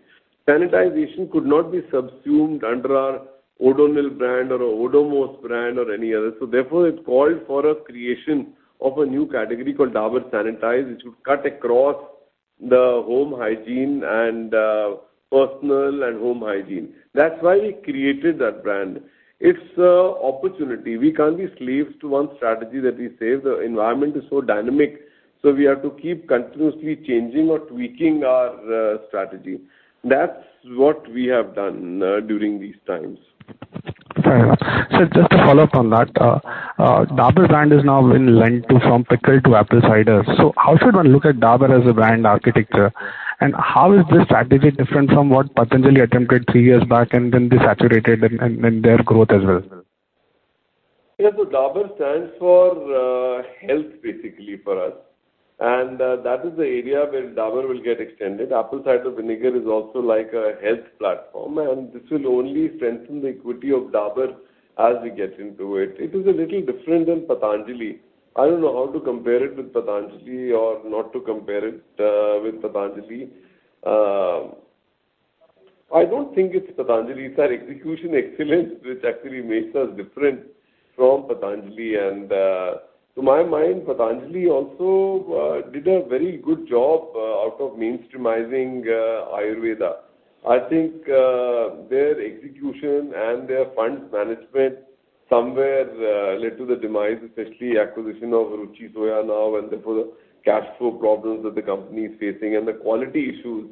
Speaker 3: Sanitization could not be subsumed under our Odonil brand or Odomos brand or any other. Therefore, it called for a creation of a new category called Dabur Sanitize, which would cut across the home hygiene and personal and home hygiene. That's why we created that brand. It's a opportunity. We can't be slaves to one strategy that we save. The environment is so dynamic, we have to keep continuously changing or tweaking our strategy. That's what we have done during these times.
Speaker 9: Fair enough. Sir, just to follow up on that, Dabur brand has now been linked to, from pickle to apple cider. How should one look at Dabur as a brand architecture? How is this strategy different from what Patanjali attempted three years back and then they saturated and their growth as well?
Speaker 3: Dabur stands for health basically for us. That is the area where Dabur will get extended. Apple Cider Vinegar is also like a health platform, and this will only strengthen the equity of Dabur as we get into it. It is a little different than Patanjali. I don't know how to compare it with Patanjali or not to compare it with Patanjali. I don't think it's Patanjali. It's our execution excellence which actually makes us different from Patanjali. To my mind, Patanjali also did a very good job out of mainstreamizing Ayurveda. I think their execution and their funds management somewhere led to the demise, especially acquisition of Ruchi Soya now, and therefore the cash flow problems that the company is facing and the quality issues,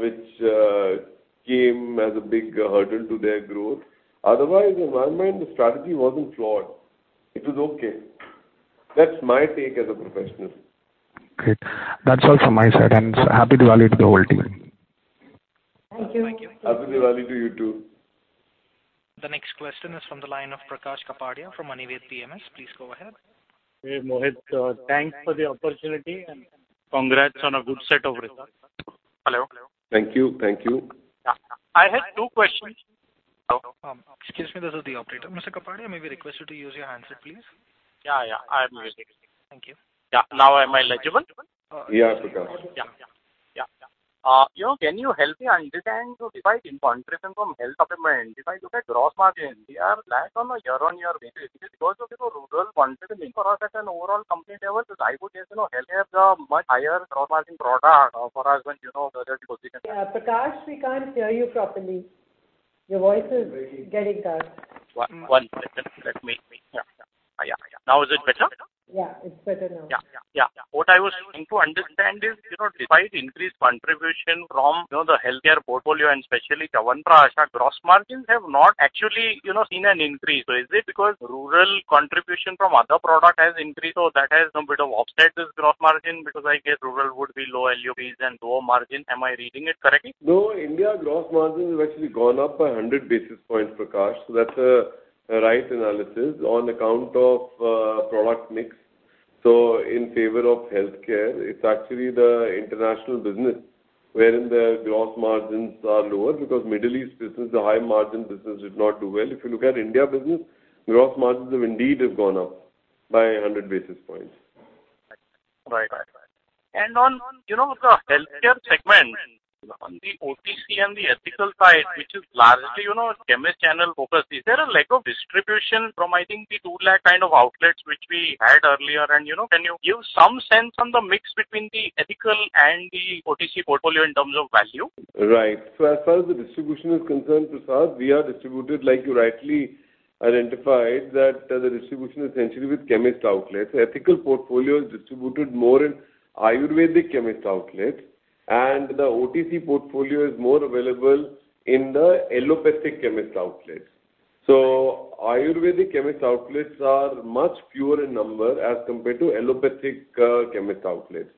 Speaker 3: which came as a big hurdle to their growth. Otherwise, in my mind, the strategy wasn't flawed. It was okay. That's my take as a professional.
Speaker 9: Great. That's all from my side. Happy Diwali to the whole team.
Speaker 2: Thank you.
Speaker 3: Happy Diwali to you, too.
Speaker 1: The next question is from the line of Prakash Kapadia from Anived PMS. Please go ahead.
Speaker 10: Hey, Mohit, thanks for the opportunity and congrats on a good set of results. Hello?
Speaker 3: Thank you.
Speaker 10: I had two questions.
Speaker 1: Excuse me. This is the operator. Mr. Kapadia, may we request you to use your handset, please?
Speaker 10: Yeah. I'm using it.
Speaker 1: Thank you.
Speaker 10: Yeah. Now am I legible?
Speaker 3: Yeah.
Speaker 10: Yeah. Can you help me understand, so if I in comparison from health supplement, if I look at gross margin, they are flat on a year-on-year basis because of, you know, rural contribution. For us at an overall company level, because I would say, you know, health is a much higher gross margin product for us when, you know, there is.
Speaker 2: Prakash, we can't hear you properly. Your voice is getting cut.
Speaker 10: One second. Let me Yeah. Now is it better?
Speaker 2: Yeah. It's better now.
Speaker 10: Yeah. What I was trying to understand is, despite increased contribution from the healthcare portfolio and especially Chyawanprash, our gross margins have not actually seen an increase. Is it because rural contribution from other product has increased, so that has a bit of offset this gross margin? I guess rural would be low LUPs and lower margin. Am I reading it correctly?
Speaker 3: India gross margin has actually gone up by 100 basis points, Prakash, that's a right analysis on account of product mix. In favor of healthcare, it's actually the international business wherein the gross margins are lower because Middle East business, the high margin business did not do well. If you look at India business, gross margins have indeed gone up by 100 basis points.
Speaker 10: Right. On the healthcare segment. On the OTC and the ethical side, which is largely chemist channel focused, is there a lack of distribution from, I think, the 2 lakh kind of outlets which we had earlier? Can you give some sense on the mix between the ethical and the OTC portfolio in terms of value?
Speaker 3: As far as the distribution is concerned, Prakash, we are distributed like you rightly identified that the distribution is essentially with chemist outlets. The ethical portfolio is distributed more in Ayurvedic chemist outlets, and the OTC portfolio is more available in the allopathic chemist outlets. Ayurvedic chemist outlets are much fewer in number as compared to allopathic chemist outlets.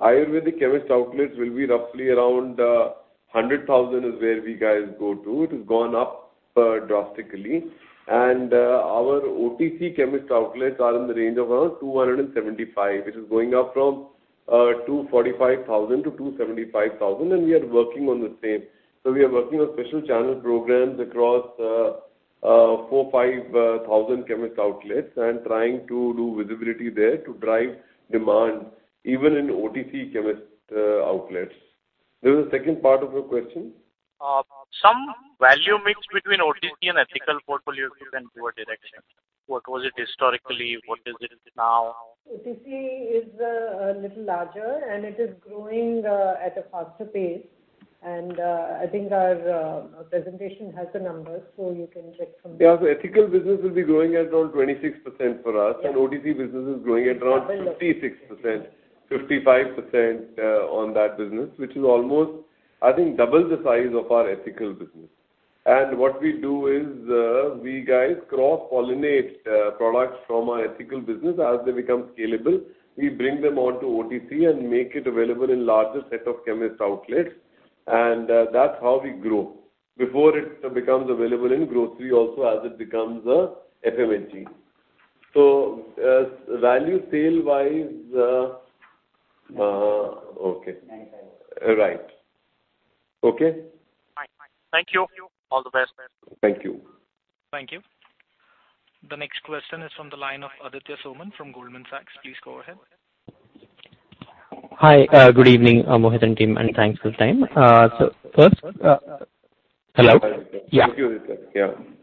Speaker 3: Ayurvedic chemist outlets will be roughly around 100,000 is where we guys go to. It has gone up drastically. Our OTC chemist outlets are in the range of around 275,000, which is going up from 245,000-275,000, and we are working on the same. We are working on special channel programs across 4,000-5,000 chemist outlets and trying to do visibility there to drive demand even in OTC chemist outlets. There was a second part of your question.
Speaker 10: Some value mix between OTC and ethical portfolio, if you can give a direction. What was it historically? What is it now?
Speaker 2: OTC is a little larger, and it is growing at a faster pace. I think our presentation has the numbers, so you can check from there.
Speaker 3: Yeah. ethical business will be growing at around 26% for us.
Speaker 2: Yes.
Speaker 3: OTC business is growing at around 56%, 55% on that business, which is almost, I think, double the size of our ethical business. What we do is, we guys cross-pollinate products from our ethical business. As they become scalable, we bring them onto OTC and make it available in larger set of chemist outlets, and that's how we grow. Before it becomes available in grocery also, as it becomes a FMHG. Value sale wise-
Speaker 2: 95%.
Speaker 3: Okay.
Speaker 2: 95%.
Speaker 3: Right. Okay?
Speaker 10: Fine. Thank you. All the best.
Speaker 3: Thank you.
Speaker 1: Thank you. The next question is from the line of Aditya Soman from Goldman Sachs. Please go ahead.
Speaker 11: Hi. Good evening, Mohit and team, and thanks for the time. Hello?
Speaker 3: Yeah.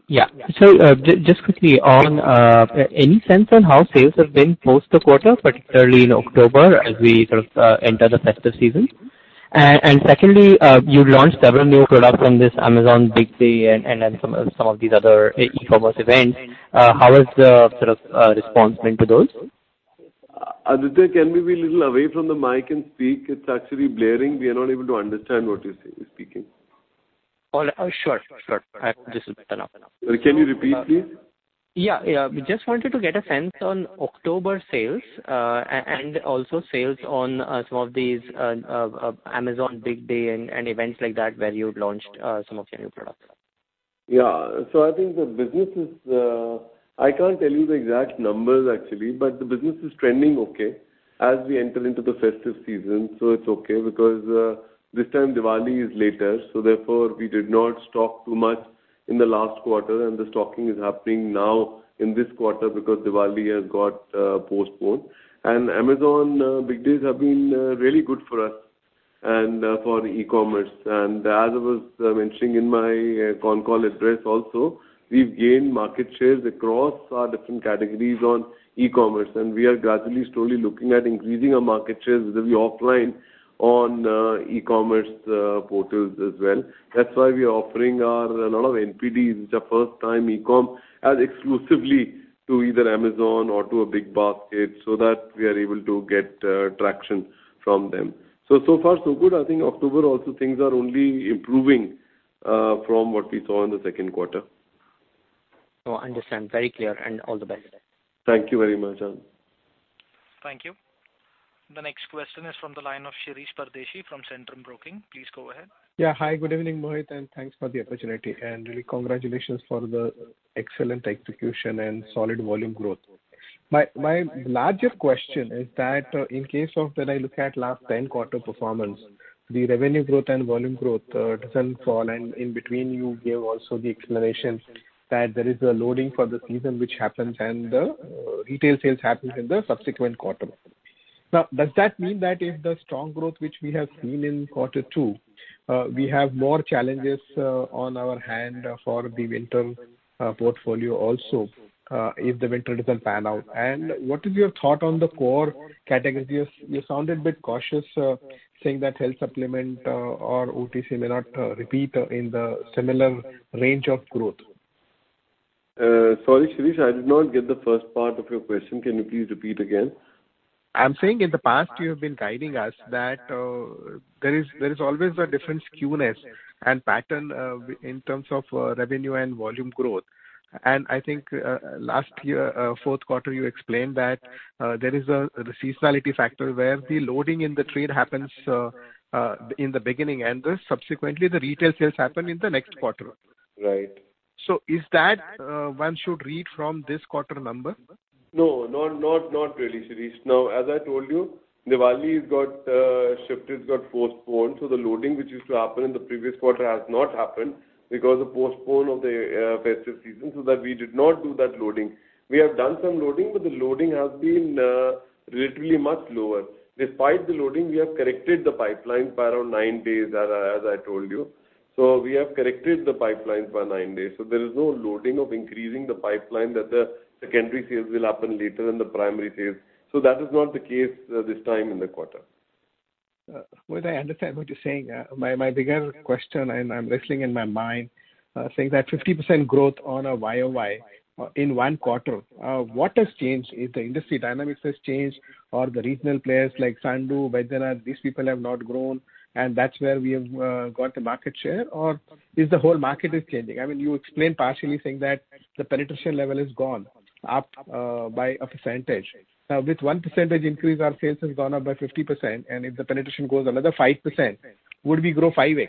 Speaker 11: Yeah. Just quickly on, any sense on how sales have been post the quarter, particularly in October as we sort of enter the festive season? Secondly, you launched several new products on this Amazon Big Day and then some of these other e-commerce events. How has the response been to those?
Speaker 3: Aditya, can we be little away from the mic and speak? It's actually blaring. We are not able to understand what you're speaking.
Speaker 11: All right. Sure. I hope this is better.
Speaker 3: Can you repeat, please?
Speaker 11: Yeah. Just wanted to get a sense on October sales, and also sales on some of these Amazon Big Day and events like that where you'd launched some of your new products.
Speaker 3: Yeah. I think the business is I can't tell you the exact numbers actually, but the business is trending okay as we enter into the festive season. It's okay because this time Diwali is later, so therefore, we did not stock too much in the last quarter, and the stocking is happening now in this quarter because Diwali has got postponed. Amazon Big Days have been really good for us and for e-commerce. As I was mentioning in my con call address also, we've gained market shares across our different categories on e-commerce, and we are gradually, slowly looking at increasing our market shares whether we operate on e-commerce portals as well. That's why we are offering a lot of NPDs, which are first time e-com as exclusively to either Amazon or to a BigBasket, so that we are able to get traction from them. So far so good. I think October also, things are only improving from what we saw in the second quarter.
Speaker 11: Oh, understand. Very clear. All the best.
Speaker 3: Thank you very much.
Speaker 1: Thank you. The next question is from the line of Shirish Pardeshi from Centrum Broking. Please go ahead.
Speaker 12: Hi, good evening, Mohit, and thanks for the opportunity, and really congratulations for the excellent execution and solid volume growth. My larger question is that in case of when I look at last 10-quarter performance, the revenue growth and volume growth doesn't fall, and in between you gave also the explanation that there is a loading for the season which happens and the retail sales happens in the subsequent quarter. Now, does that mean that if the strong growth which we have seen in quarter two, we have more challenges on our hand for the winter portfolio also, if the winter doesn't pan out? What is your thought on the core categories? You sounded a bit cautious saying that health supplement or OTC may not repeat in the similar range of growth.
Speaker 3: Sorry, Shirish, I did not get the first part of your question. Can you please repeat again?
Speaker 12: I'm saying in the past you have been guiding us that there is always a different skewness and pattern in terms of revenue and volume growth. I think last year, fourth quarter, you explained that there is a seasonality factor where the loading in the trade happens in the beginning, and subsequently the retail sales happen in the next quarter.
Speaker 3: Right.
Speaker 12: Is that one should read from this quarter number?
Speaker 3: No, not really, Shirish. Now, as I told you, Diwali has got shifted, it's got postponed. The loading which used to happen in the previous quarter has not happened because of postpone of the festive season so that we did not do that loading. We have done some loading, the loading has been relatively much lower. Despite the loading, we have corrected the pipeline by around nine days, as I told you. We have corrected the pipeline by nine days. There is no loading of increasing the pipeline that the secondary sales will happen later in the primary sales. That is not the case this time in the quarter.
Speaker 12: Well, I understand what you're saying. My bigger question and I'm wrestling in my mind, saying that 50% growth on a year-over-year in one quarter, what has changed? If the industry dynamics has changed or the regional players like Zandu, Baidyanath, these people have not grown, and that's where we have got the market share, or is the whole market is changing? I mean, you explained partially saying that the penetration level is gone up by a percentage. Now with 1 percentage increase, our sales has gone up by 50%, and if the penetration goes another 5%, would we grow 5x?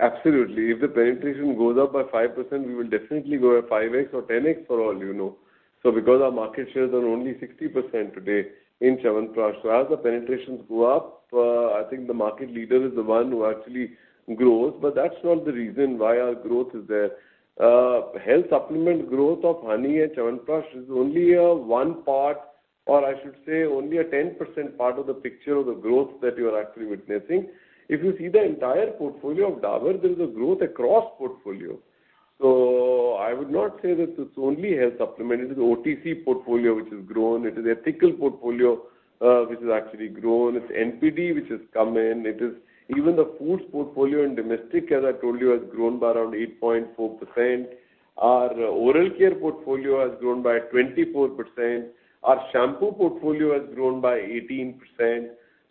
Speaker 3: Absolutely. If the penetration goes up by 5%, we will definitely go at 5x or 10x for all you know. Because our market shares are only 60% today in Chyawanprash, as the penetrations go up, I think the market leader is the one who actually grows. That's not the reason why our growth is there. Health supplement growth of honey and Chyawanprash is only a one part, or I should say only a 10% part of the picture of the growth that you are actually witnessing. If you see the entire portfolio of Dabur, there is a growth across portfolio. I would not say that it's only health supplement. It is OTC portfolio which has grown. It is ethical portfolio which has actually grown. It's NPD which has come in. It is even the Foods portfolio in domestic, as I told you, has grown by around 8.4%. Our Oral Care portfolio has grown by 24%. Our Shampoo portfolio has grown by 18%.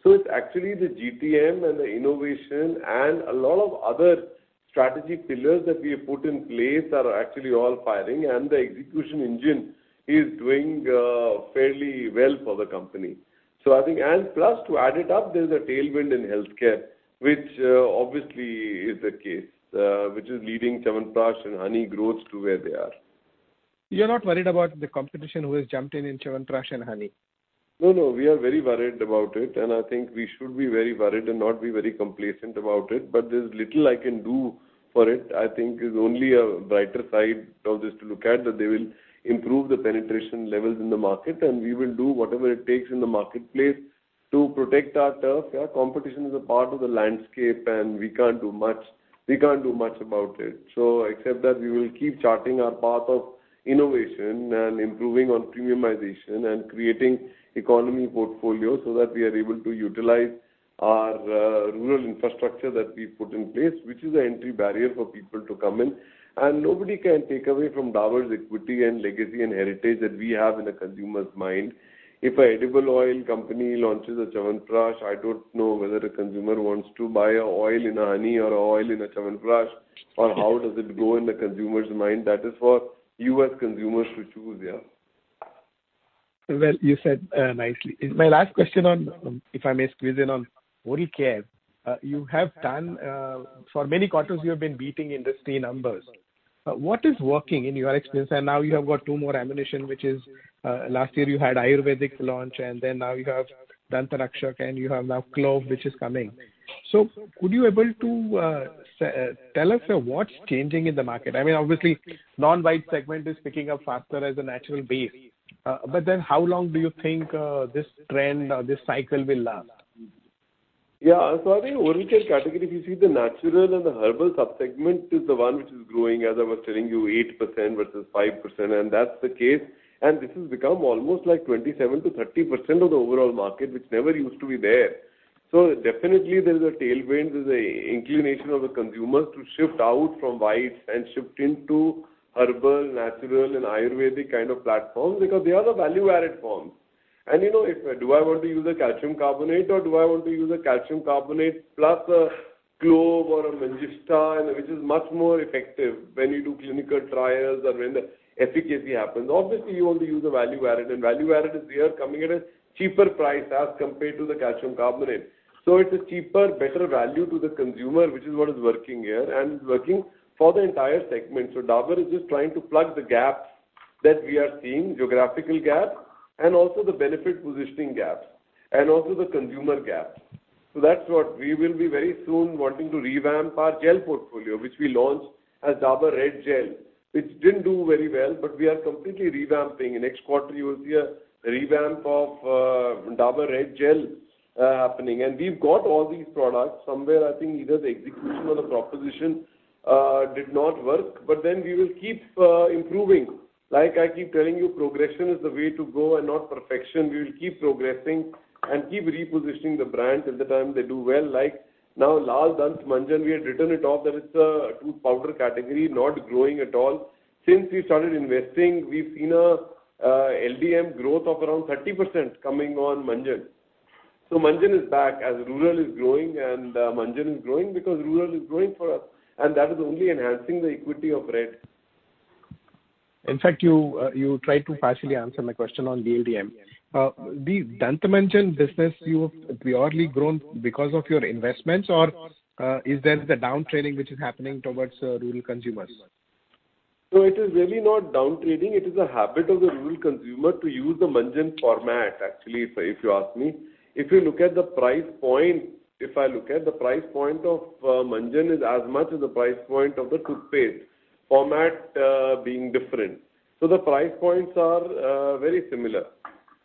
Speaker 3: It's actually the GTM and the innovation and a lot of other strategic pillars that we have put in place are actually all firing and the execution engine is doing fairly well for the company. Plus to add it up, there's a tailwind in healthcare, which obviously is the case, which is leading Chyawanprash and Honey growths to where they are.
Speaker 12: You're not worried about the competition who has jumped in Chyawanprash and Honey?
Speaker 3: We are very worried about it. I think we should be very worried and not be very complacent about it. There's little I can do for it. I think it's only a brighter side of this to look at, that they will improve the penetration levels in the market. We will do whatever it takes in the marketplace to protect our turf. Yeah, competition is a part of the landscape. We can't do much about it. Except that we will keep charting our path of innovation and improving on premiumization and creating economy portfolio so that we are able to utilize our rural infrastructure that we've put in place, which is an entry barrier for people to come in. Nobody can take away from Dabur's equity and legacy and heritage that we have in a consumer's mind. If an edible oil company launches a Chyawanprash, I don't know whether a consumer wants to buy an oil in a honey or an oil in a Chyawanprash, or how does it go in the consumer's mind. That is for you as consumers to choose. Yeah.
Speaker 12: Well said, nicely. My last question on, if I may squeeze in on oral care. For many quarters you have been beating industry numbers. What is working in your experience? Now you have got two more ammunition, which is, last year you had Ayurvedic launch, and now you have Dant Rakshak and you have now Clove which is coming. Could you able to tell us what's changing in the market? I mean, obviously non-white segment is picking up faster as a natural base. How long do you think this trend or this cycle will last?
Speaker 3: I think oral care category, if you see the Natural and the Herbal sub-segment is the one which is growing, as I was telling you, 8% versus 5%, and that's the case. This has become almost like 27%-30% of the overall market, which never used to be there. Definitely there is a tailwind, there's a inclination of the consumers to shift out from whites and shift into herbal, natural, and Ayurvedic kind of platforms because they are the value-added forms. Do I want to use a calcium carbonate or do I want to use a calcium carbonate plus a clove or a manjistha, which is much more effective when you do clinical trials or when the efficacy happens? Obviously, you want to use a value-added, and value-added is here coming at a cheaper price as compared to the calcium carbonate. It's a cheaper, better value to the consumer, which is what is working here and working for the entire segment. Dabur is just trying to plug the gaps that we are seeing, geographical gaps and also the benefit positioning gaps and also the consumer gaps. That's what we will be very soon wanting to revamp our gel portfolio, which we launched as Dabur Red Gel, which didn't do very well, but we are completely revamping. In next quarter, you will see a revamp of Dabur Red Gel happening. We've got all these products. Somewhere, I think either the execution or the proposition did not work, but then we will keep improving. Like I keep telling you, progression is the way to go and not perfection. We will keep progressing and keep repositioning the brands at the time they do well. Like now, Lal Dant Manjan, we had written it off that it's a tooth powder category, not growing at all. Since we started investing, we've seen a LDM growth of around 30% coming on Manjan. Manjan is back as rural is growing and Manjan is growing because rural is growing for us, and that is only enhancing the equity of Red.
Speaker 12: You tried to partially answer my question on the LDM. The Dant Manjan business, you've purely grown because of your investments or is there the downtrading which is happening towards rural consumers?
Speaker 3: It is really not downtrading. It is a habit of the rural consumer to use the Manjan format, actually, if you ask me. If I look at the price point of Manjan, it is as much as the price point of the toothpaste, format being different. The price points are very similar.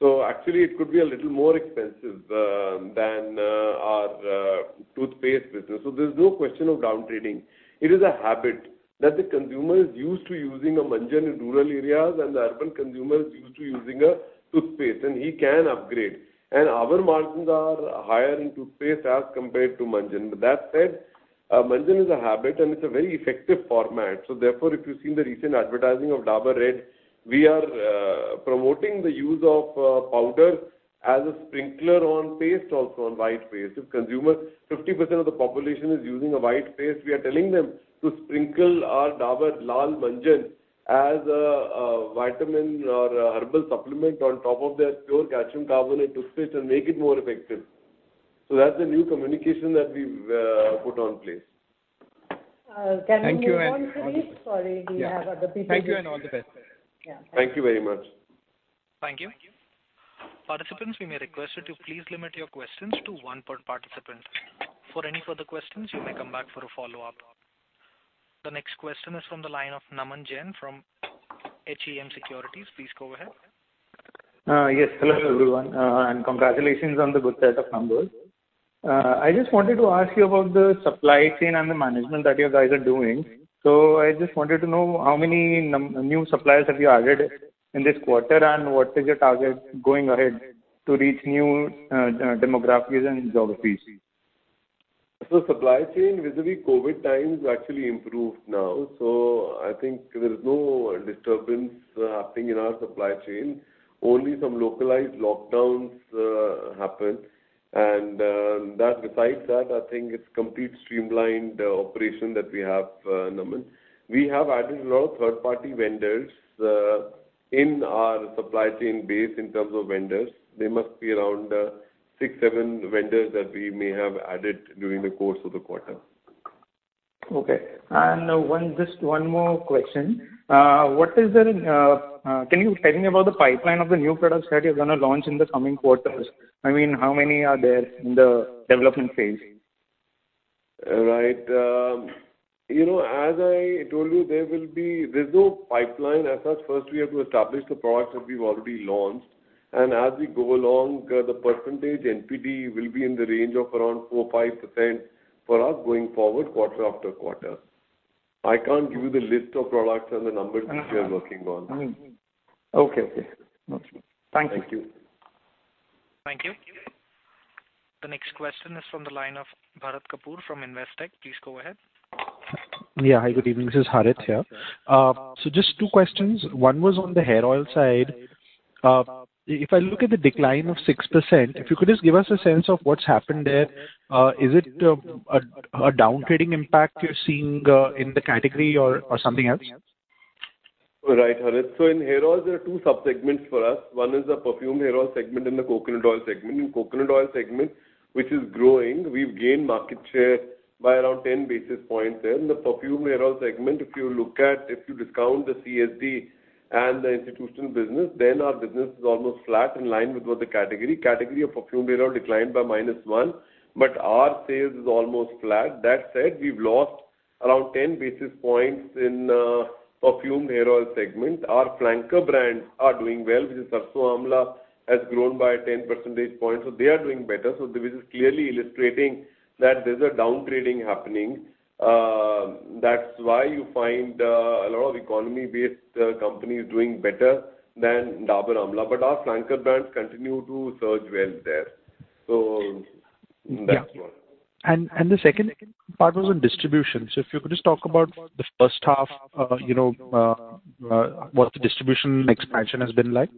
Speaker 3: Actually, it could be a little more expensive than our toothpaste business. There's no question of downtrading. It is a habit that the consumer is used to using a Manjan in rural areas, and the urban consumer is used to using a toothpaste, and he can upgrade. Our margins are higher in toothpaste as compared to Manjan. That said, Manjan is a habit, and it's a very effective format. Therefore, if you've seen the recent advertising of Dabur Red, we are promoting the use of powder as a sprinkler on paste, also on white paste. If consumer, 50% of the population is using a white paste, we are telling them to sprinkle our Dabur Lal Manjan as a vitamin or herbal supplement on top of their pure calcium carbonate toothpaste and make it more effective. That's the new communication that we've put on place.
Speaker 12: Thank you.
Speaker 2: Can we move on, please? Sorry, we have other people.
Speaker 12: Thank you, and all the best.
Speaker 3: Thank you very much.
Speaker 1: Thank you. Participants, we may request you to please limit your questions to one per participant. For any further questions, you may come back for a follow-up. The next question is from the line of Naman Jain from HEM Securities. Please go ahead.
Speaker 13: Yes. Hello, everyone. Congratulations on the good set of numbers. I just wanted to ask you about the supply chain and the management that you guys are doing. I just wanted to know how many new suppliers have you added in this quarter, and what is your target going ahead to reach new demographics and geographies?
Speaker 3: Supply chain vis-à-vis COVID times actually improved now. I think there is no disturbance happening in our supply chain. Only some localized lockdowns happened, and besides that, I think it's complete streamlined operation that we have, Naman. We have added a lot of third-party vendors in our supply chain base in terms of vendors. They must be around six, seven vendors that we may have added during the course of the quarter.
Speaker 13: Okay. Just one more question. Can you tell me about the pipeline of the new products that you're going to launch in the coming quarters? How many are there in the development phase?
Speaker 3: Right. As I told you, there's no pipeline as such. First, we have to establish the products that we've already launched, and as we go along, the percentage NPD will be in the range of around 4%-5% for us going forward quarter-after-quarter. I can't give you the list of products and the numbers which we are working on.
Speaker 13: Okay. Got you. Thank you.
Speaker 3: Thank you.
Speaker 1: Thank you. The next question is from the line of Harit Kapoor from Investec. Please go ahead.
Speaker 14: Yeah. Hi, good evening. This is Harit here. Just two questions. One was on the hair oil side. If I look at the decline of 6%, if you could just give us a sense of what's happened there. Is it a downtrading impact you're seeing in the category or something else?
Speaker 3: Right, Harit. In hair oils, there are two sub-segments for us. One is the perfumed hair oil segment and the coconut oil segment. In coconut oil segment, which is growing, we've gained market share by around 10 basis points there. In the perfumed hair oil segment, if you discount the CSD and the institutional business, our business is almost flat in line with what the category. Category of perfumed hair oil declined by -1, our sales is almost flat. That said, we've lost around 10 basis points in perfumed hair oil segment. Our flanker brands are doing well, which is Sarson Amla, has grown by 10 percentage points, they are doing better. This is clearly illustrating that there's a downgrading happening. That's why you find a lot of economy-based companies doing better than Dabur Amla. Our flanker brands continue to surge well there. That's one.
Speaker 14: Yeah. The second part was on distribution. If you could just talk about the first half, what the distribution expansion has been like.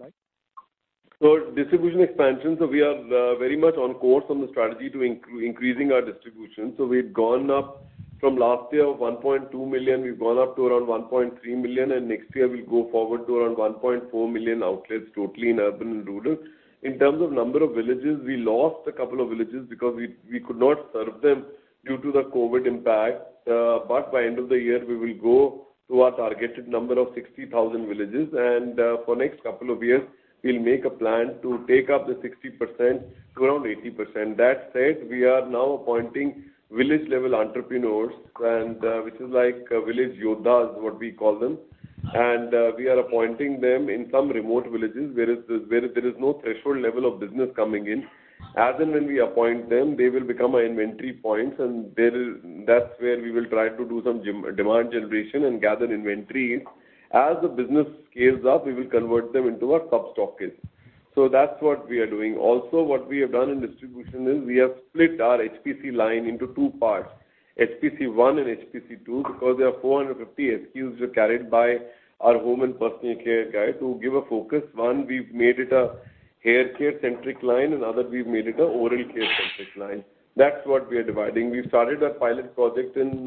Speaker 3: Distribution expansion, we are very much on course on the strategy to increasing our distribution. We've gone up from last year of 1.2 million, we've gone up to around 1.3 million, and next year we'll go forward to around 1.4 million outlets totally in urban and rural. In terms of number of villages, we lost a couple of villages because we could not serve them due to the COVID impact. By end of the year, we will go to our targeted number of 60,000 villages, and for next couple of years, we'll make a plan to take up the 60% to around 80%. That said, we are now appointing village-level entrepreneurs, which is like village Yoddhas, what we call them. We are appointing them in some remote villages where there is no threshold level of business coming in. As and when we appoint them, they will become our inventory points, and that's where we will try to do some demand generation and gather inventory. As the business scales up, we will convert them into our sub-stockists. That's what we are doing. Also, what we have done in distribution is we have split our HPC line into two parts, HPC 1 and HPC 2, because there are 450 SKUs which are carried by our home and personal care guy to give a focus. One, we've made it a hair care-centric line, and other, we've made it a oral care-centric line. That's what we are dividing. We started a pilot project in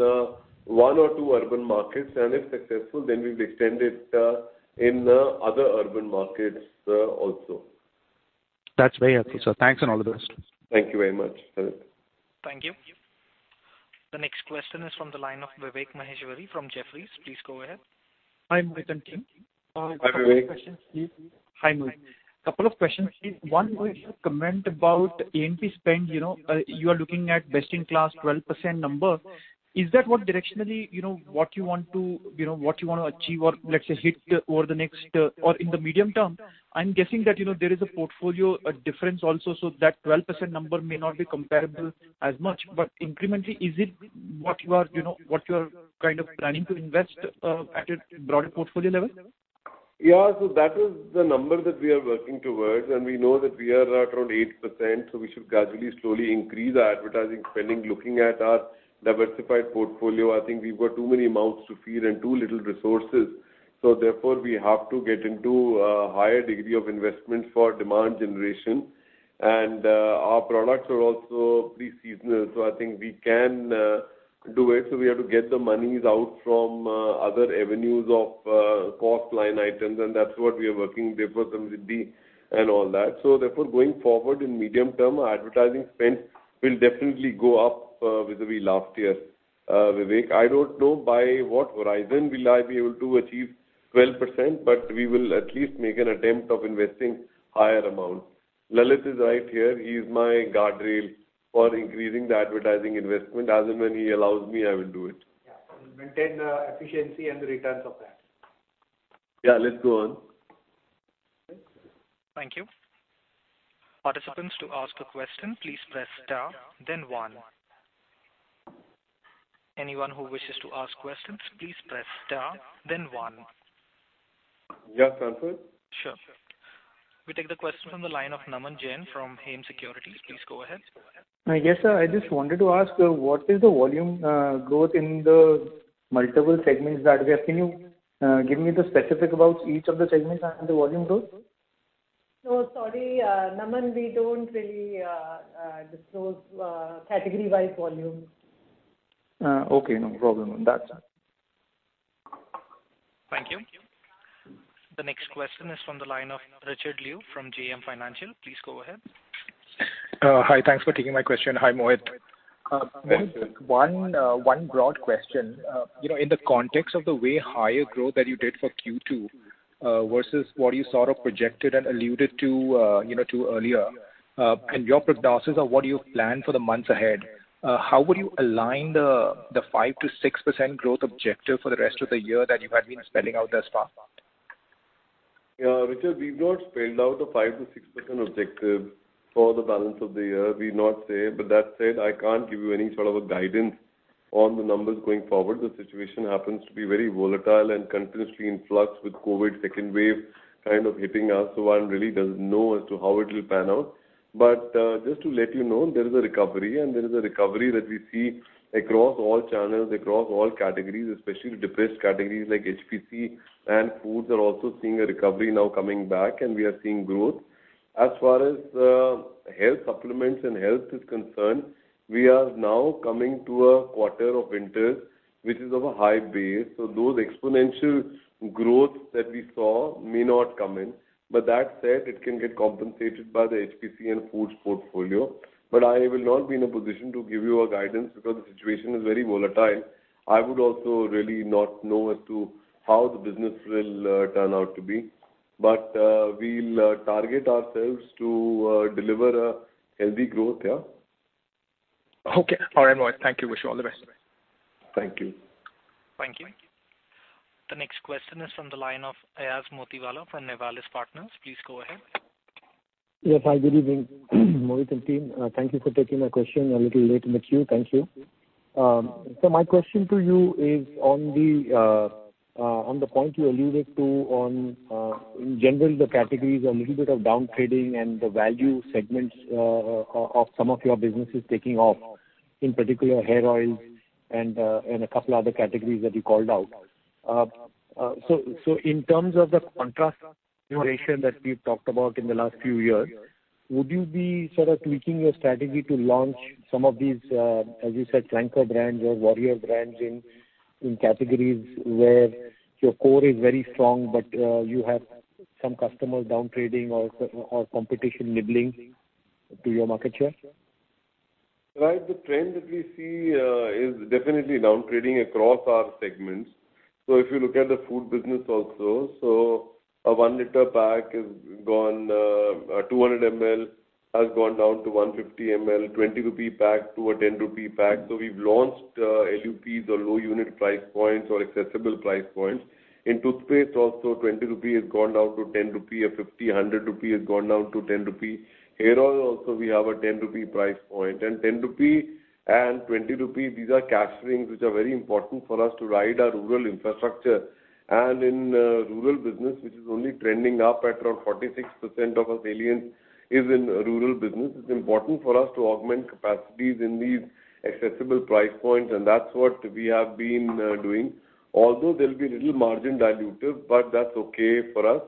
Speaker 3: one or two urban markets, and if successful, then we'll extend it in other urban markets also.
Speaker 14: That's very helpful, sir. Thanks. All the best.
Speaker 3: Thank you very much, Harit.
Speaker 1: Thank you. The next question is from the line of Vivek Maheshwari from Jefferies. Please go ahead.
Speaker 15: Hi, Mohit and team.
Speaker 3: Hi, Vivek.
Speaker 15: Hi, Mohit. Couple of questions. One, Mohit, comment about A&P spend. You are looking at best in class 12% number. Is that what directionally what you want to achieve or, let's say, hit over the next or in the medium term? I'm guessing that there is a portfolio difference also, so that 12% number may not be comparable as much. Incrementally, is it what you are planning to invest at a broader portfolio level?
Speaker 3: Yeah. That is the number that we are working towards, and we know that we are at around 8%, so we should gradually, slowly increase our advertising spending. Looking at our diversified portfolio, I think we've got too many mouths to feed and too little resources. Therefore, we have to get into a higher degree of investment for demand generation. Our products are also pretty seasonal, so I think we can do it. We have to get the monies out from other avenues of cost line items, and that's what we are working there for Samriddhi and all that. Therefore, going forward, in medium term, our advertising spend will definitely go up vis-à-vis last year, Vivek. I don't know by what horizon will I be able to achieve 12%, but we will at least make an attempt of investing higher amount. Lalit is right here. He is my guardrail for increasing the advertising investment. As and when he allows me, I will do it.
Speaker 16: Yeah. We'll maintain the efficiency and the returns of that.
Speaker 3: Yeah, let's go on.
Speaker 2: Thanks, Mohit.
Speaker 1: Thank you. Participants, to ask a question, please press star, then one. Anyone who wishes to ask questions, please press star then one.
Speaker 3: Yes, Santhosh.
Speaker 1: Sure. We take the question from the line of Naman Jain from HEM Securities. Please go ahead.
Speaker 13: Yes, sir, I just wanted to ask, what is the volume growth in the multiple segments that we have? Can you give me the specific about each of the segments and the volume growth?
Speaker 2: No, sorry, Naman, we don't really disclose category-wide volume.
Speaker 13: Okay, no problem on that.
Speaker 1: Thank you. The next question is from the line of Richard Liu from JM Financial. Please go ahead.
Speaker 17: Hi. Thanks for taking my question. Hi, Mohit.
Speaker 3: Hi, Richard.
Speaker 17: Mohit, one broad question. In the context of the way higher growth that you did for Q2, versus what you sort of projected and alluded to earlier, and your prognosis of what you've planned for the months ahead, how would you align the 5%-6% growth objective for the rest of the year that you had been spelling out thus far?
Speaker 3: Yeah, Richard, we've not spelled out a 5%-6% objective for the balance of the year. We've not said. That said, I can't give you any sort of a guidance on the numbers going forward. The situation happens to be very volatile and continuously in flux with COVID second wave kind of hitting us. One really doesn't know as to how it will pan out. Just to let you know, there is a recovery, and there is a recovery that we see across all channels, across all categories, especially the depressed categories like HPC and foods are also seeing a recovery now coming back, and we are seeing growth. As far as health supplements and health is concerned, we are now coming to a quarter of winter, which is of a high base. Those exponential growths that we saw may not come in. That said, it can get compensated by the HPC and foods portfolio. I will not be in a position to give you a guidance because the situation is very volatile. I would also really not know as to how the business will turn out to be. We'll target ourselves to deliver a healthy growth, yeah.
Speaker 17: Okay. All right, Mohit. Thank you. Wish you all the best.
Speaker 3: Thank you.
Speaker 1: Thank you. The next question is from the line of Ayaz Motiwala from Nivalis Partners. Please go ahead.
Speaker 18: Yes, hi, good evening, Mohit and team. Thank you for taking my question. A little late in the queue. Thank you. Sir, my question to you is on the point you alluded to on, in general, the categories, a little bit of down-trading and the value segments of some of your businesses taking off, in particular hair oils and a couple other categories that you called out. In terms of the constant curation that we've talked about in the last few years, would you be sort of tweaking your strategy to launch some of these, as you said, flanker brands or warrior brands in categories where your core is very strong, but you have some customer down-trading or competition nibbling to your market share?
Speaker 3: The trend that we see is definitely down-trading across our segments. If you look at the food business also, a 1 L pack has gone, 200 ml has gone down to 150 ml, 20 rupee pack to a 10 rupee pack. We've launched LUPs or low unit price points or accessible price points. In toothpaste also 20 rupees has gone down to 10 rupees. A 50, 100 rupees has gone down to 10 rupees. Hair oil also, we have a 10 rupee price point. 10 rupees and 20 rupees, these are cash coins, which are very important for us to ride our rural infrastructure. In rural business, which is only trending up at around 46% of our sales is in rural business, it's important for us to augment capacities in these accessible price points, and that's what we have been doing. Although they'll be a little margin dilutive, that's okay for us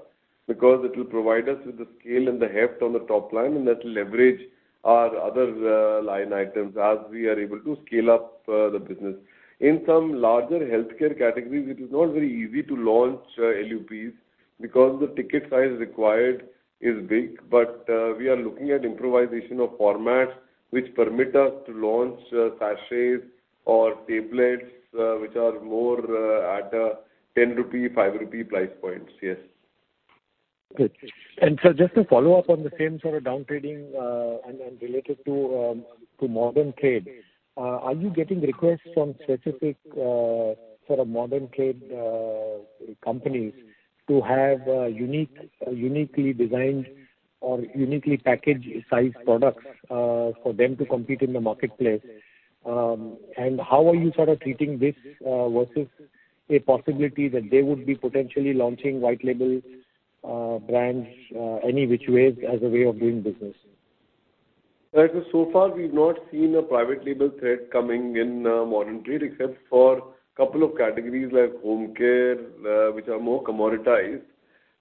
Speaker 3: because it will provide us with the scale and the heft on the top line, and that will leverage our other line items as we are able to scale up the business. In some larger healthcare categories, it is not very easy to launch LUPs because the ticket size required is big, but we are looking at improvisation of formats which permit us to launch sachets or tablets, which are more at 10 rupee, 5 rupee price points. Yes.
Speaker 18: Good. Sir, just to follow-up on the same sort of down trading, and related to modern trade. Are you getting requests from specific sort of modern trade companies to have uniquely designed or uniquely package size products for them to compete in the marketplace? How are you sort of treating this, versus a possibility that they would be potentially launching white label brands, any which ways as a way of doing business?
Speaker 3: So far, we've not seen a private label threat coming in modern trade except for two categories like home care, which are more commoditized.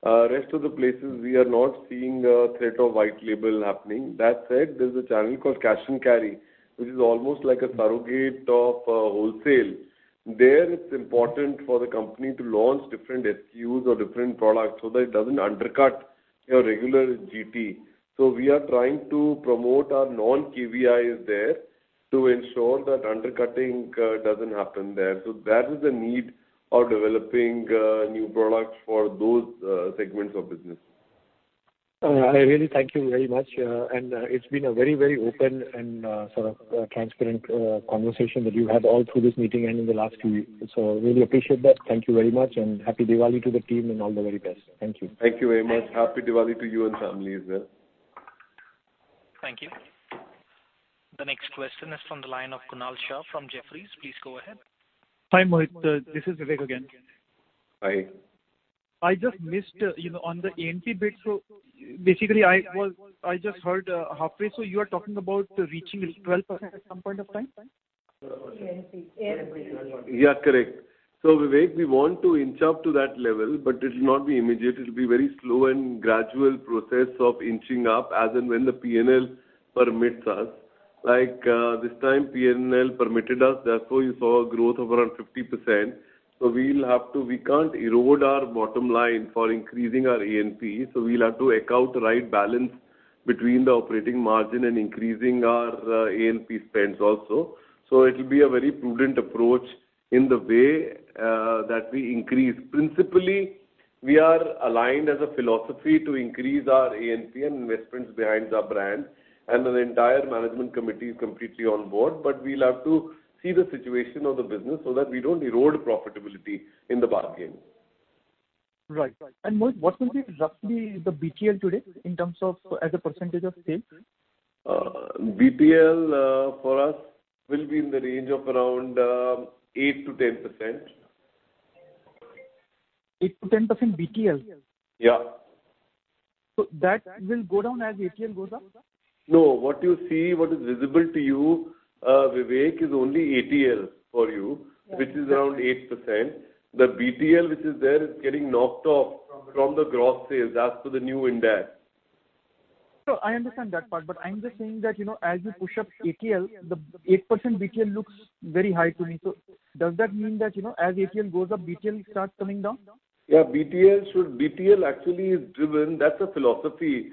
Speaker 3: Rest of the places, we are not seeing a threat of white label happening. That said, there's a channel called cash and carry, which is almost like a surrogate of wholesale. There, it's important for the company to launch different SKU or different products so that it doesn't undercut your regular GT. We are trying to promote our non-KVIs there to ensure that undercutting doesn't happen there. That is the need of developing new products for those segments of business.
Speaker 18: I really thank you very much, and it's been a very open and sort of transparent conversation that you had all through this meeting and in the last few weeks. I really appreciate that. Thank you very much and Happy Diwali to the team and all the very best. Thank you.
Speaker 3: Thank you very much. Happy Diwali to you and family as well.
Speaker 1: Thank you. The next question is from the line of Kunal Shah from Jefferies. Please go ahead.
Speaker 15: Hi, Mohit. This is Vivek again.
Speaker 3: Hi.
Speaker 15: I just missed on the A&P bit. Basically I just heard halfway. You are talking about reaching 12% at some point of time?
Speaker 3: Correct. Vivek, we want to inch up to that level, but it will not be immediate. It will be very slow and gradual process of inching up as and when the P&L permits us. Like, this time, P&L permitted us, therefore, you saw a growth of around 50%. We cannot erode our bottom line for increasing our A&P. We will have to account the right balance between the operating margin and increasing our A&P spends also. It will be a very prudent approach in the way that we increase. Principally, we are aligned as a philosophy to increase our A&P and investments behind our brand, and the entire management committee is completely on board. We will have to see the situation of the business so that we do not erode profitability in the bargain.
Speaker 15: Right. Mohit, what would be roughly the BTL today in terms of as a percentage of sales?
Speaker 3: BTL, for us, will be in the range of around 8%-10%.
Speaker 15: 8%-10% BTL?
Speaker 3: Yeah.
Speaker 15: That will go down as ATL goes up?
Speaker 3: No, what you see, what is visible to you, Vivek, is only ATL for you, which is around 8%. The BTL, which is there, is getting knocked off from the gross sales as per the new IndAS.
Speaker 15: No, I understand that part, but I'm just saying that, as you push up ATL, the 8% BTL looks very high to me. Does that mean that, as ATL goes up, BTL starts coming down?
Speaker 3: BTL actually is driven. That's a philosophy.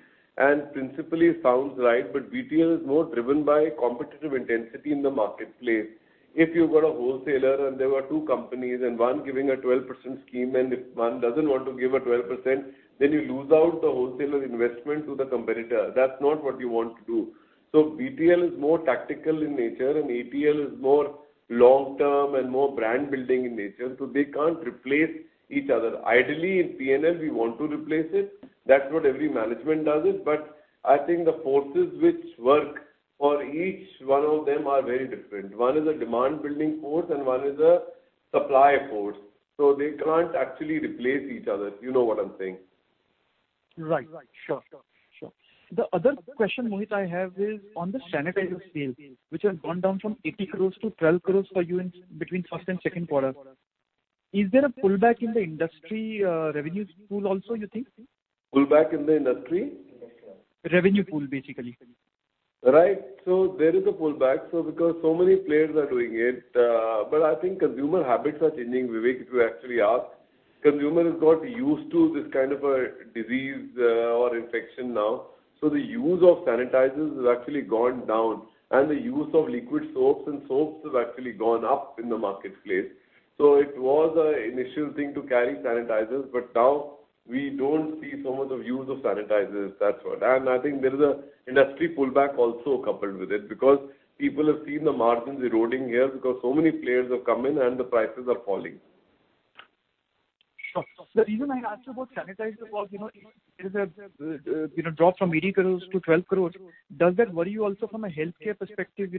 Speaker 3: Principally it sounds right. BTL is more driven by competitive intensity in the marketplace. If you've got a wholesaler and there are two companies and one giving a 12% scheme, if one doesn't want to give a 12%, you lose out the wholesaler investment to the competitor. That's not what you want to do. BTL is more tactical in nature. ATL is more long-term and more brand-building in nature. They can't replace each other. Ideally, in P&L, we want to replace it. That's what every management does it. I think the forces which work for each one of them are very different. One is a demand-building force. One is a supply force. They can't actually replace each other. You know what I'm saying.
Speaker 15: Right. Sure. The other question, Mohit, I have is on the sanitizer sales, which have gone down from 80 crores to 12 crores for you between first and second quarter. Is there a pullback in the industry revenue pool also, you think?
Speaker 3: Pullback in the industry?
Speaker 15: Revenue pull, basically.
Speaker 3: Right. There is a pullback. Because so many players are doing it, but I think consumer habits are changing, Vivek, if you actually ask. Consumer has got used to this kind of a disease or infection now. The use of sanitizers has actually gone down, and the use of liquid soaps and soaps has actually gone up in the marketplace. It was an initial thing to carry sanitizers, but now we don't see so much of use of sanitizers, that's what. I think there is an industry pullback also coupled with it, because people have seen the margins eroding here because so many players have come in and the prices are falling.
Speaker 15: Sure. The reason I asked you about sanitizers was, it is a drop from 80 crores to 12 crores. Does that worry you also from a healthcare perspective,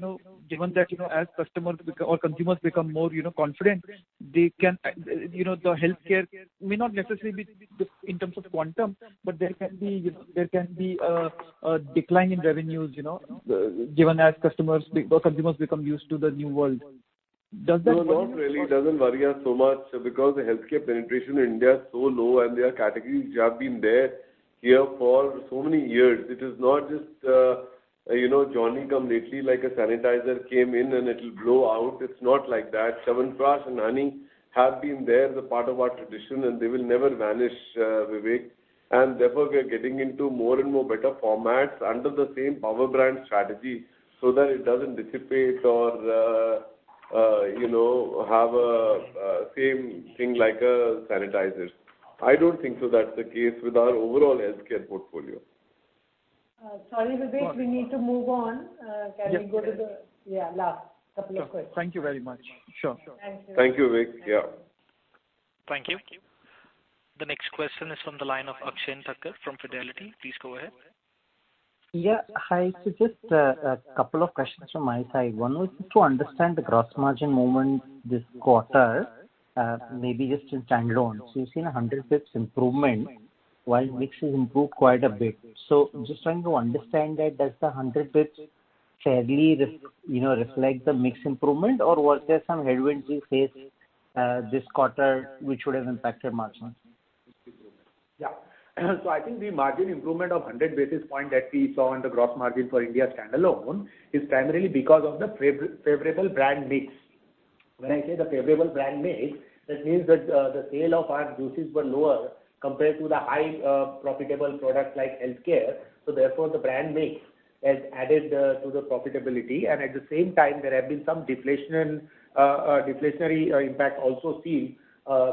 Speaker 15: given that, as customers or consumers become more confident, the healthcare may not necessarily be just in terms of quantum, but there can be a decline in revenues, given as customers or consumers become used to the new world?
Speaker 3: No, not really. It doesn't worry us so much because the healthcare penetration in India is so low, and their categories have been there here for so many years. It is not just Johnny-come-lately, like a sanitizer came in and it will go out. It's not like that. Chyawanprash and honey have been there as a part of our tradition, and they will never vanish, Vivek. Therefore, we are getting into more and more better formats under the same power brand strategy so that it doesn't dissipate or have a same thing like a sanitizer. I don't think so that's the case with our overall healthcare portfolio.
Speaker 2: Sorry, Vivek, we need to move on.
Speaker 15: Yes.
Speaker 2: Can we go to the last couple of questions.
Speaker 15: Thank you very much. Sure.
Speaker 2: Thanks.
Speaker 3: Thank you, Vivek. Yeah.
Speaker 1: Thank you. The next question is from the line of Akshen Thakkar from Fidelity. Please go ahead.
Speaker 19: Hi. Just a couple of questions from my side. One was just to understand the gross margin movement this quarter, maybe just in standalone. You've seen 100 basis points improvement while mix has improved quite a bit. Just trying to understand that, does the 100 basis points fairly reflect the mix improvement, or was there some headwinds you faced this quarter which would have impacted margins?
Speaker 20: Yeah. I think the margin improvement of 100 basis points that we saw on the gross margin for India standalone is primarily because of the favorable brand mix. When I say the favorable brand mix, that means that the sale of our juices were lower compared to the high profitable products like healthcare. Therefore, the brand mix has added to the profitability. At the same time, there have been some deflationary impact also seen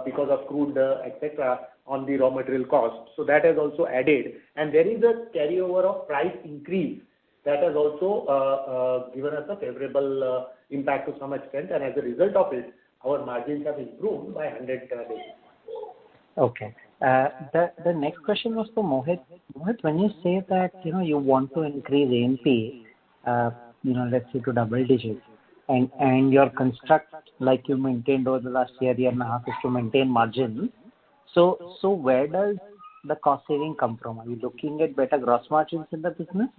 Speaker 20: because of crude, etc., on the raw material cost. That has also added. There is a carryover of price increase that has also given us a favorable impact to some extent. As a result of it, our margins have improved by 100 basis points.
Speaker 19: Okay. The next question was to Mohit. Mohit, when you say that you want to increase A&P, let's say to double-digits, and your construct like you maintained over the last year and a half, is to maintain margin. Where does the cost saving come from? Are you looking at better gross margins in the business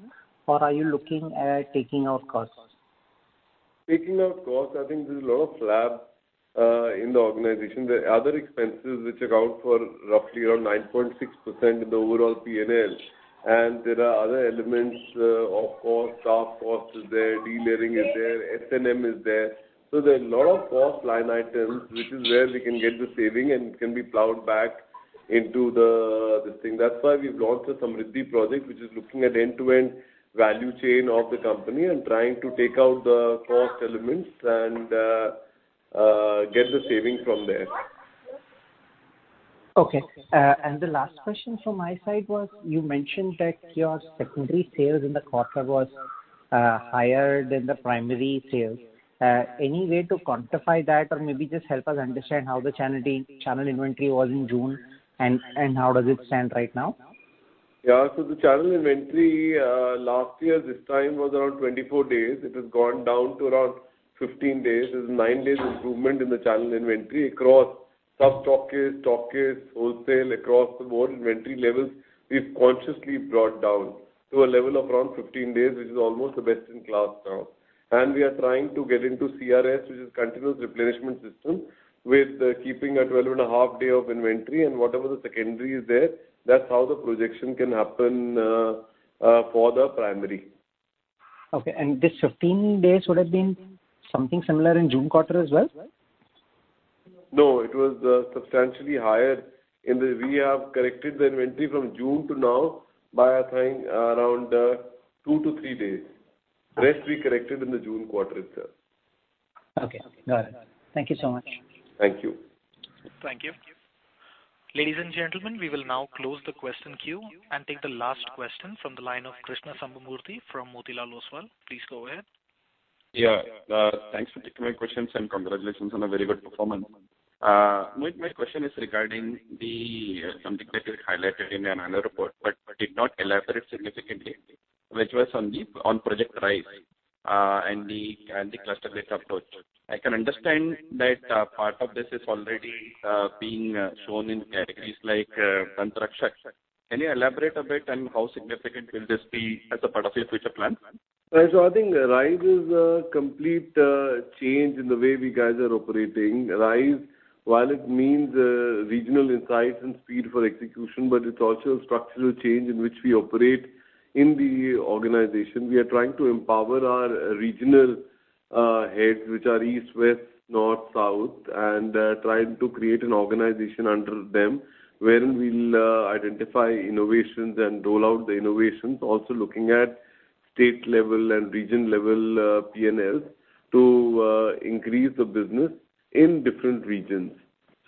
Speaker 19: or are you looking at taking out costs?
Speaker 3: Taking out costs, I think there's a lot of flab in the organization. There are other expenses which account for roughly around 9.6% in the overall P&L. There are other elements, of course, staff cost is there, de-layering is there, S&M is there. There are a lot of cost line items, which is where we can get the saving and can be plowed back into the thing. That's why we've launched the Samriddhi project, which is looking at end-to-end value chain of the company and trying to take out the cost elements and get the saving from there.
Speaker 19: Okay. The last question from my side was, you mentioned that your secondary sales in the quarter was higher than the primary sales. Any way to quantify that or maybe just help us understand how the channel inventory was in June and how does it stand right now?
Speaker 3: The channel inventory last year this time was around 24 days. It has gone down to around 15 days. There's 9 days improvement in the channel inventory across sub-stockists, stockists, wholesale, across the board, inventory levels we've consciously brought down to a level of around 15 days, which is almost the best in class now. We are trying to get into CRS, which is continuous replenishment system, with keeping a 12.5 Day of inventory and whatever the secondary is there, that's how the projection can happen for the primary.
Speaker 19: Okay. This 15 days would have been something similar in June quarter as well?
Speaker 3: No, it was substantially higher. We have corrected the inventory from June to now by, I think, around two to three days. The rest we corrected in the June quarter itself.
Speaker 19: Okay, got it. Thank you so much.
Speaker 3: Thank you.
Speaker 1: Thank you. Ladies and gentlemen, we will now close the question queue and take the last question from the line of Krishnan Sambamoorthy from Motilal Oswal. Please go ahead.
Speaker 21: Thanks for taking my questions and congratulations on a very good performance. Mohit, my question is regarding something that you highlighted in an annual report but did not elaborate significantly, which was on Project RISE and the cluster-based approach. I can understand that part of this is already being shown in categories like Dant Rakshak. Can you elaborate a bit on how significant will this be as a part of your future plans?
Speaker 3: I think RISE is a complete change in the way we guys are operating. RISE, while it means Regional Insights and Speed for Execution, it's also a structural change in which we operate in the organization. We are trying to empower our regional heads, which are East, West, North, South, and trying to create an organization under them where we'll identify innovations and roll out the innovations. Also looking at state-level and region-level P&L to increase the business in different regions.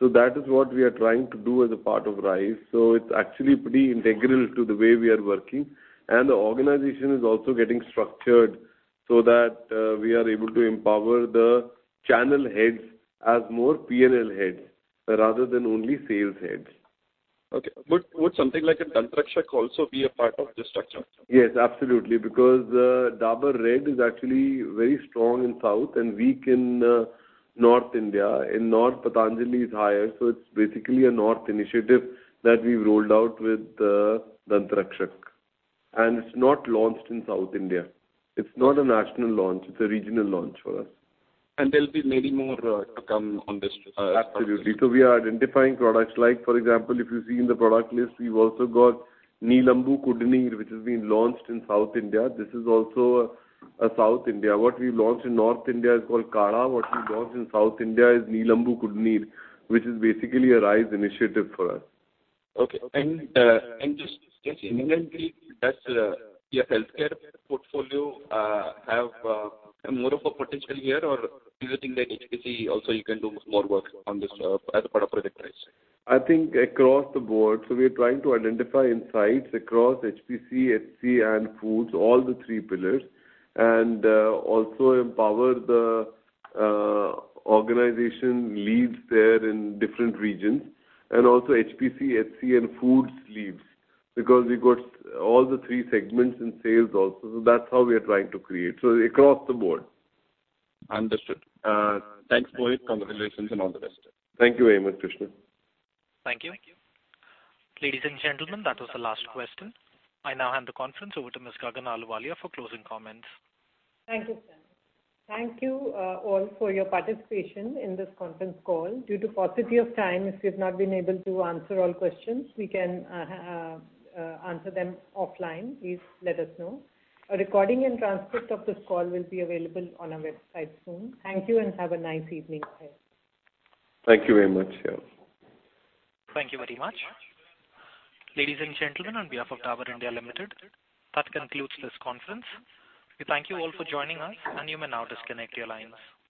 Speaker 3: That is what we are trying to do as a part of RISE. It's actually pretty integral to the way we are working. The organization is also getting structured so that we are able to empower the channel heads as more P&L heads rather than only sales heads.
Speaker 21: Okay. Would something like a Dant Rakshak also be a part of this structure?
Speaker 3: Yes, absolutely. Dabur Red is actually very strong in South and weak in North India. In North, Patanjali is higher. It's basically a North initiative that we've rolled out with Dant Rakshak. It's not launched in South India. It's not a national launch, it's a regional launch for us.
Speaker 21: There'll be many more to come on this structure.
Speaker 3: Absolutely. We are identifying products like, for example, if you see in the product list, we've also got Nilavembu Kudineer, which has been launched in South India. This is also a South India. What we've launched in North India is called Kadha. What we've launched in South India is Nilavembu Kudineer, which is basically a RISE initiative for us.
Speaker 21: Okay. Just generally, does your healthcare portfolio have more of a potential here, or do you think that HPC also you can do more work on this as a part of Project RISE?
Speaker 3: I think across the board. We are trying to identify insights across HPC, HC, and Foods, all the three pillars, and also empower the organization leads there in different regions, and also HPC, HC, and Foods leads. Because we've got all the three segments in sales also. That's how we are trying to create. Across the board.
Speaker 21: Understood. Thanks, Mohit. Congratulations and all the best.
Speaker 3: Thank you very much, Krishnan.
Speaker 1: Thank you. Ladies and gentlemen, that was the last question. I now hand the conference over to Ms. Gagan Ahluwalia for closing comments.
Speaker 2: Thank you. Thank you all for your participation in this conference call. Due to paucity of time, if we've not been able to answer all questions, we can answer them offline. Please let us know. A recording and transcript of this call will be available on our website soon. Thank you and have a nice evening.
Speaker 3: Thank you very much. Yeah.
Speaker 1: Thank you very much. Ladies and gentlemen, on behalf of Dabur India Limited, that concludes this conference. We thank you all for joining us, and you may now disconnect your lines.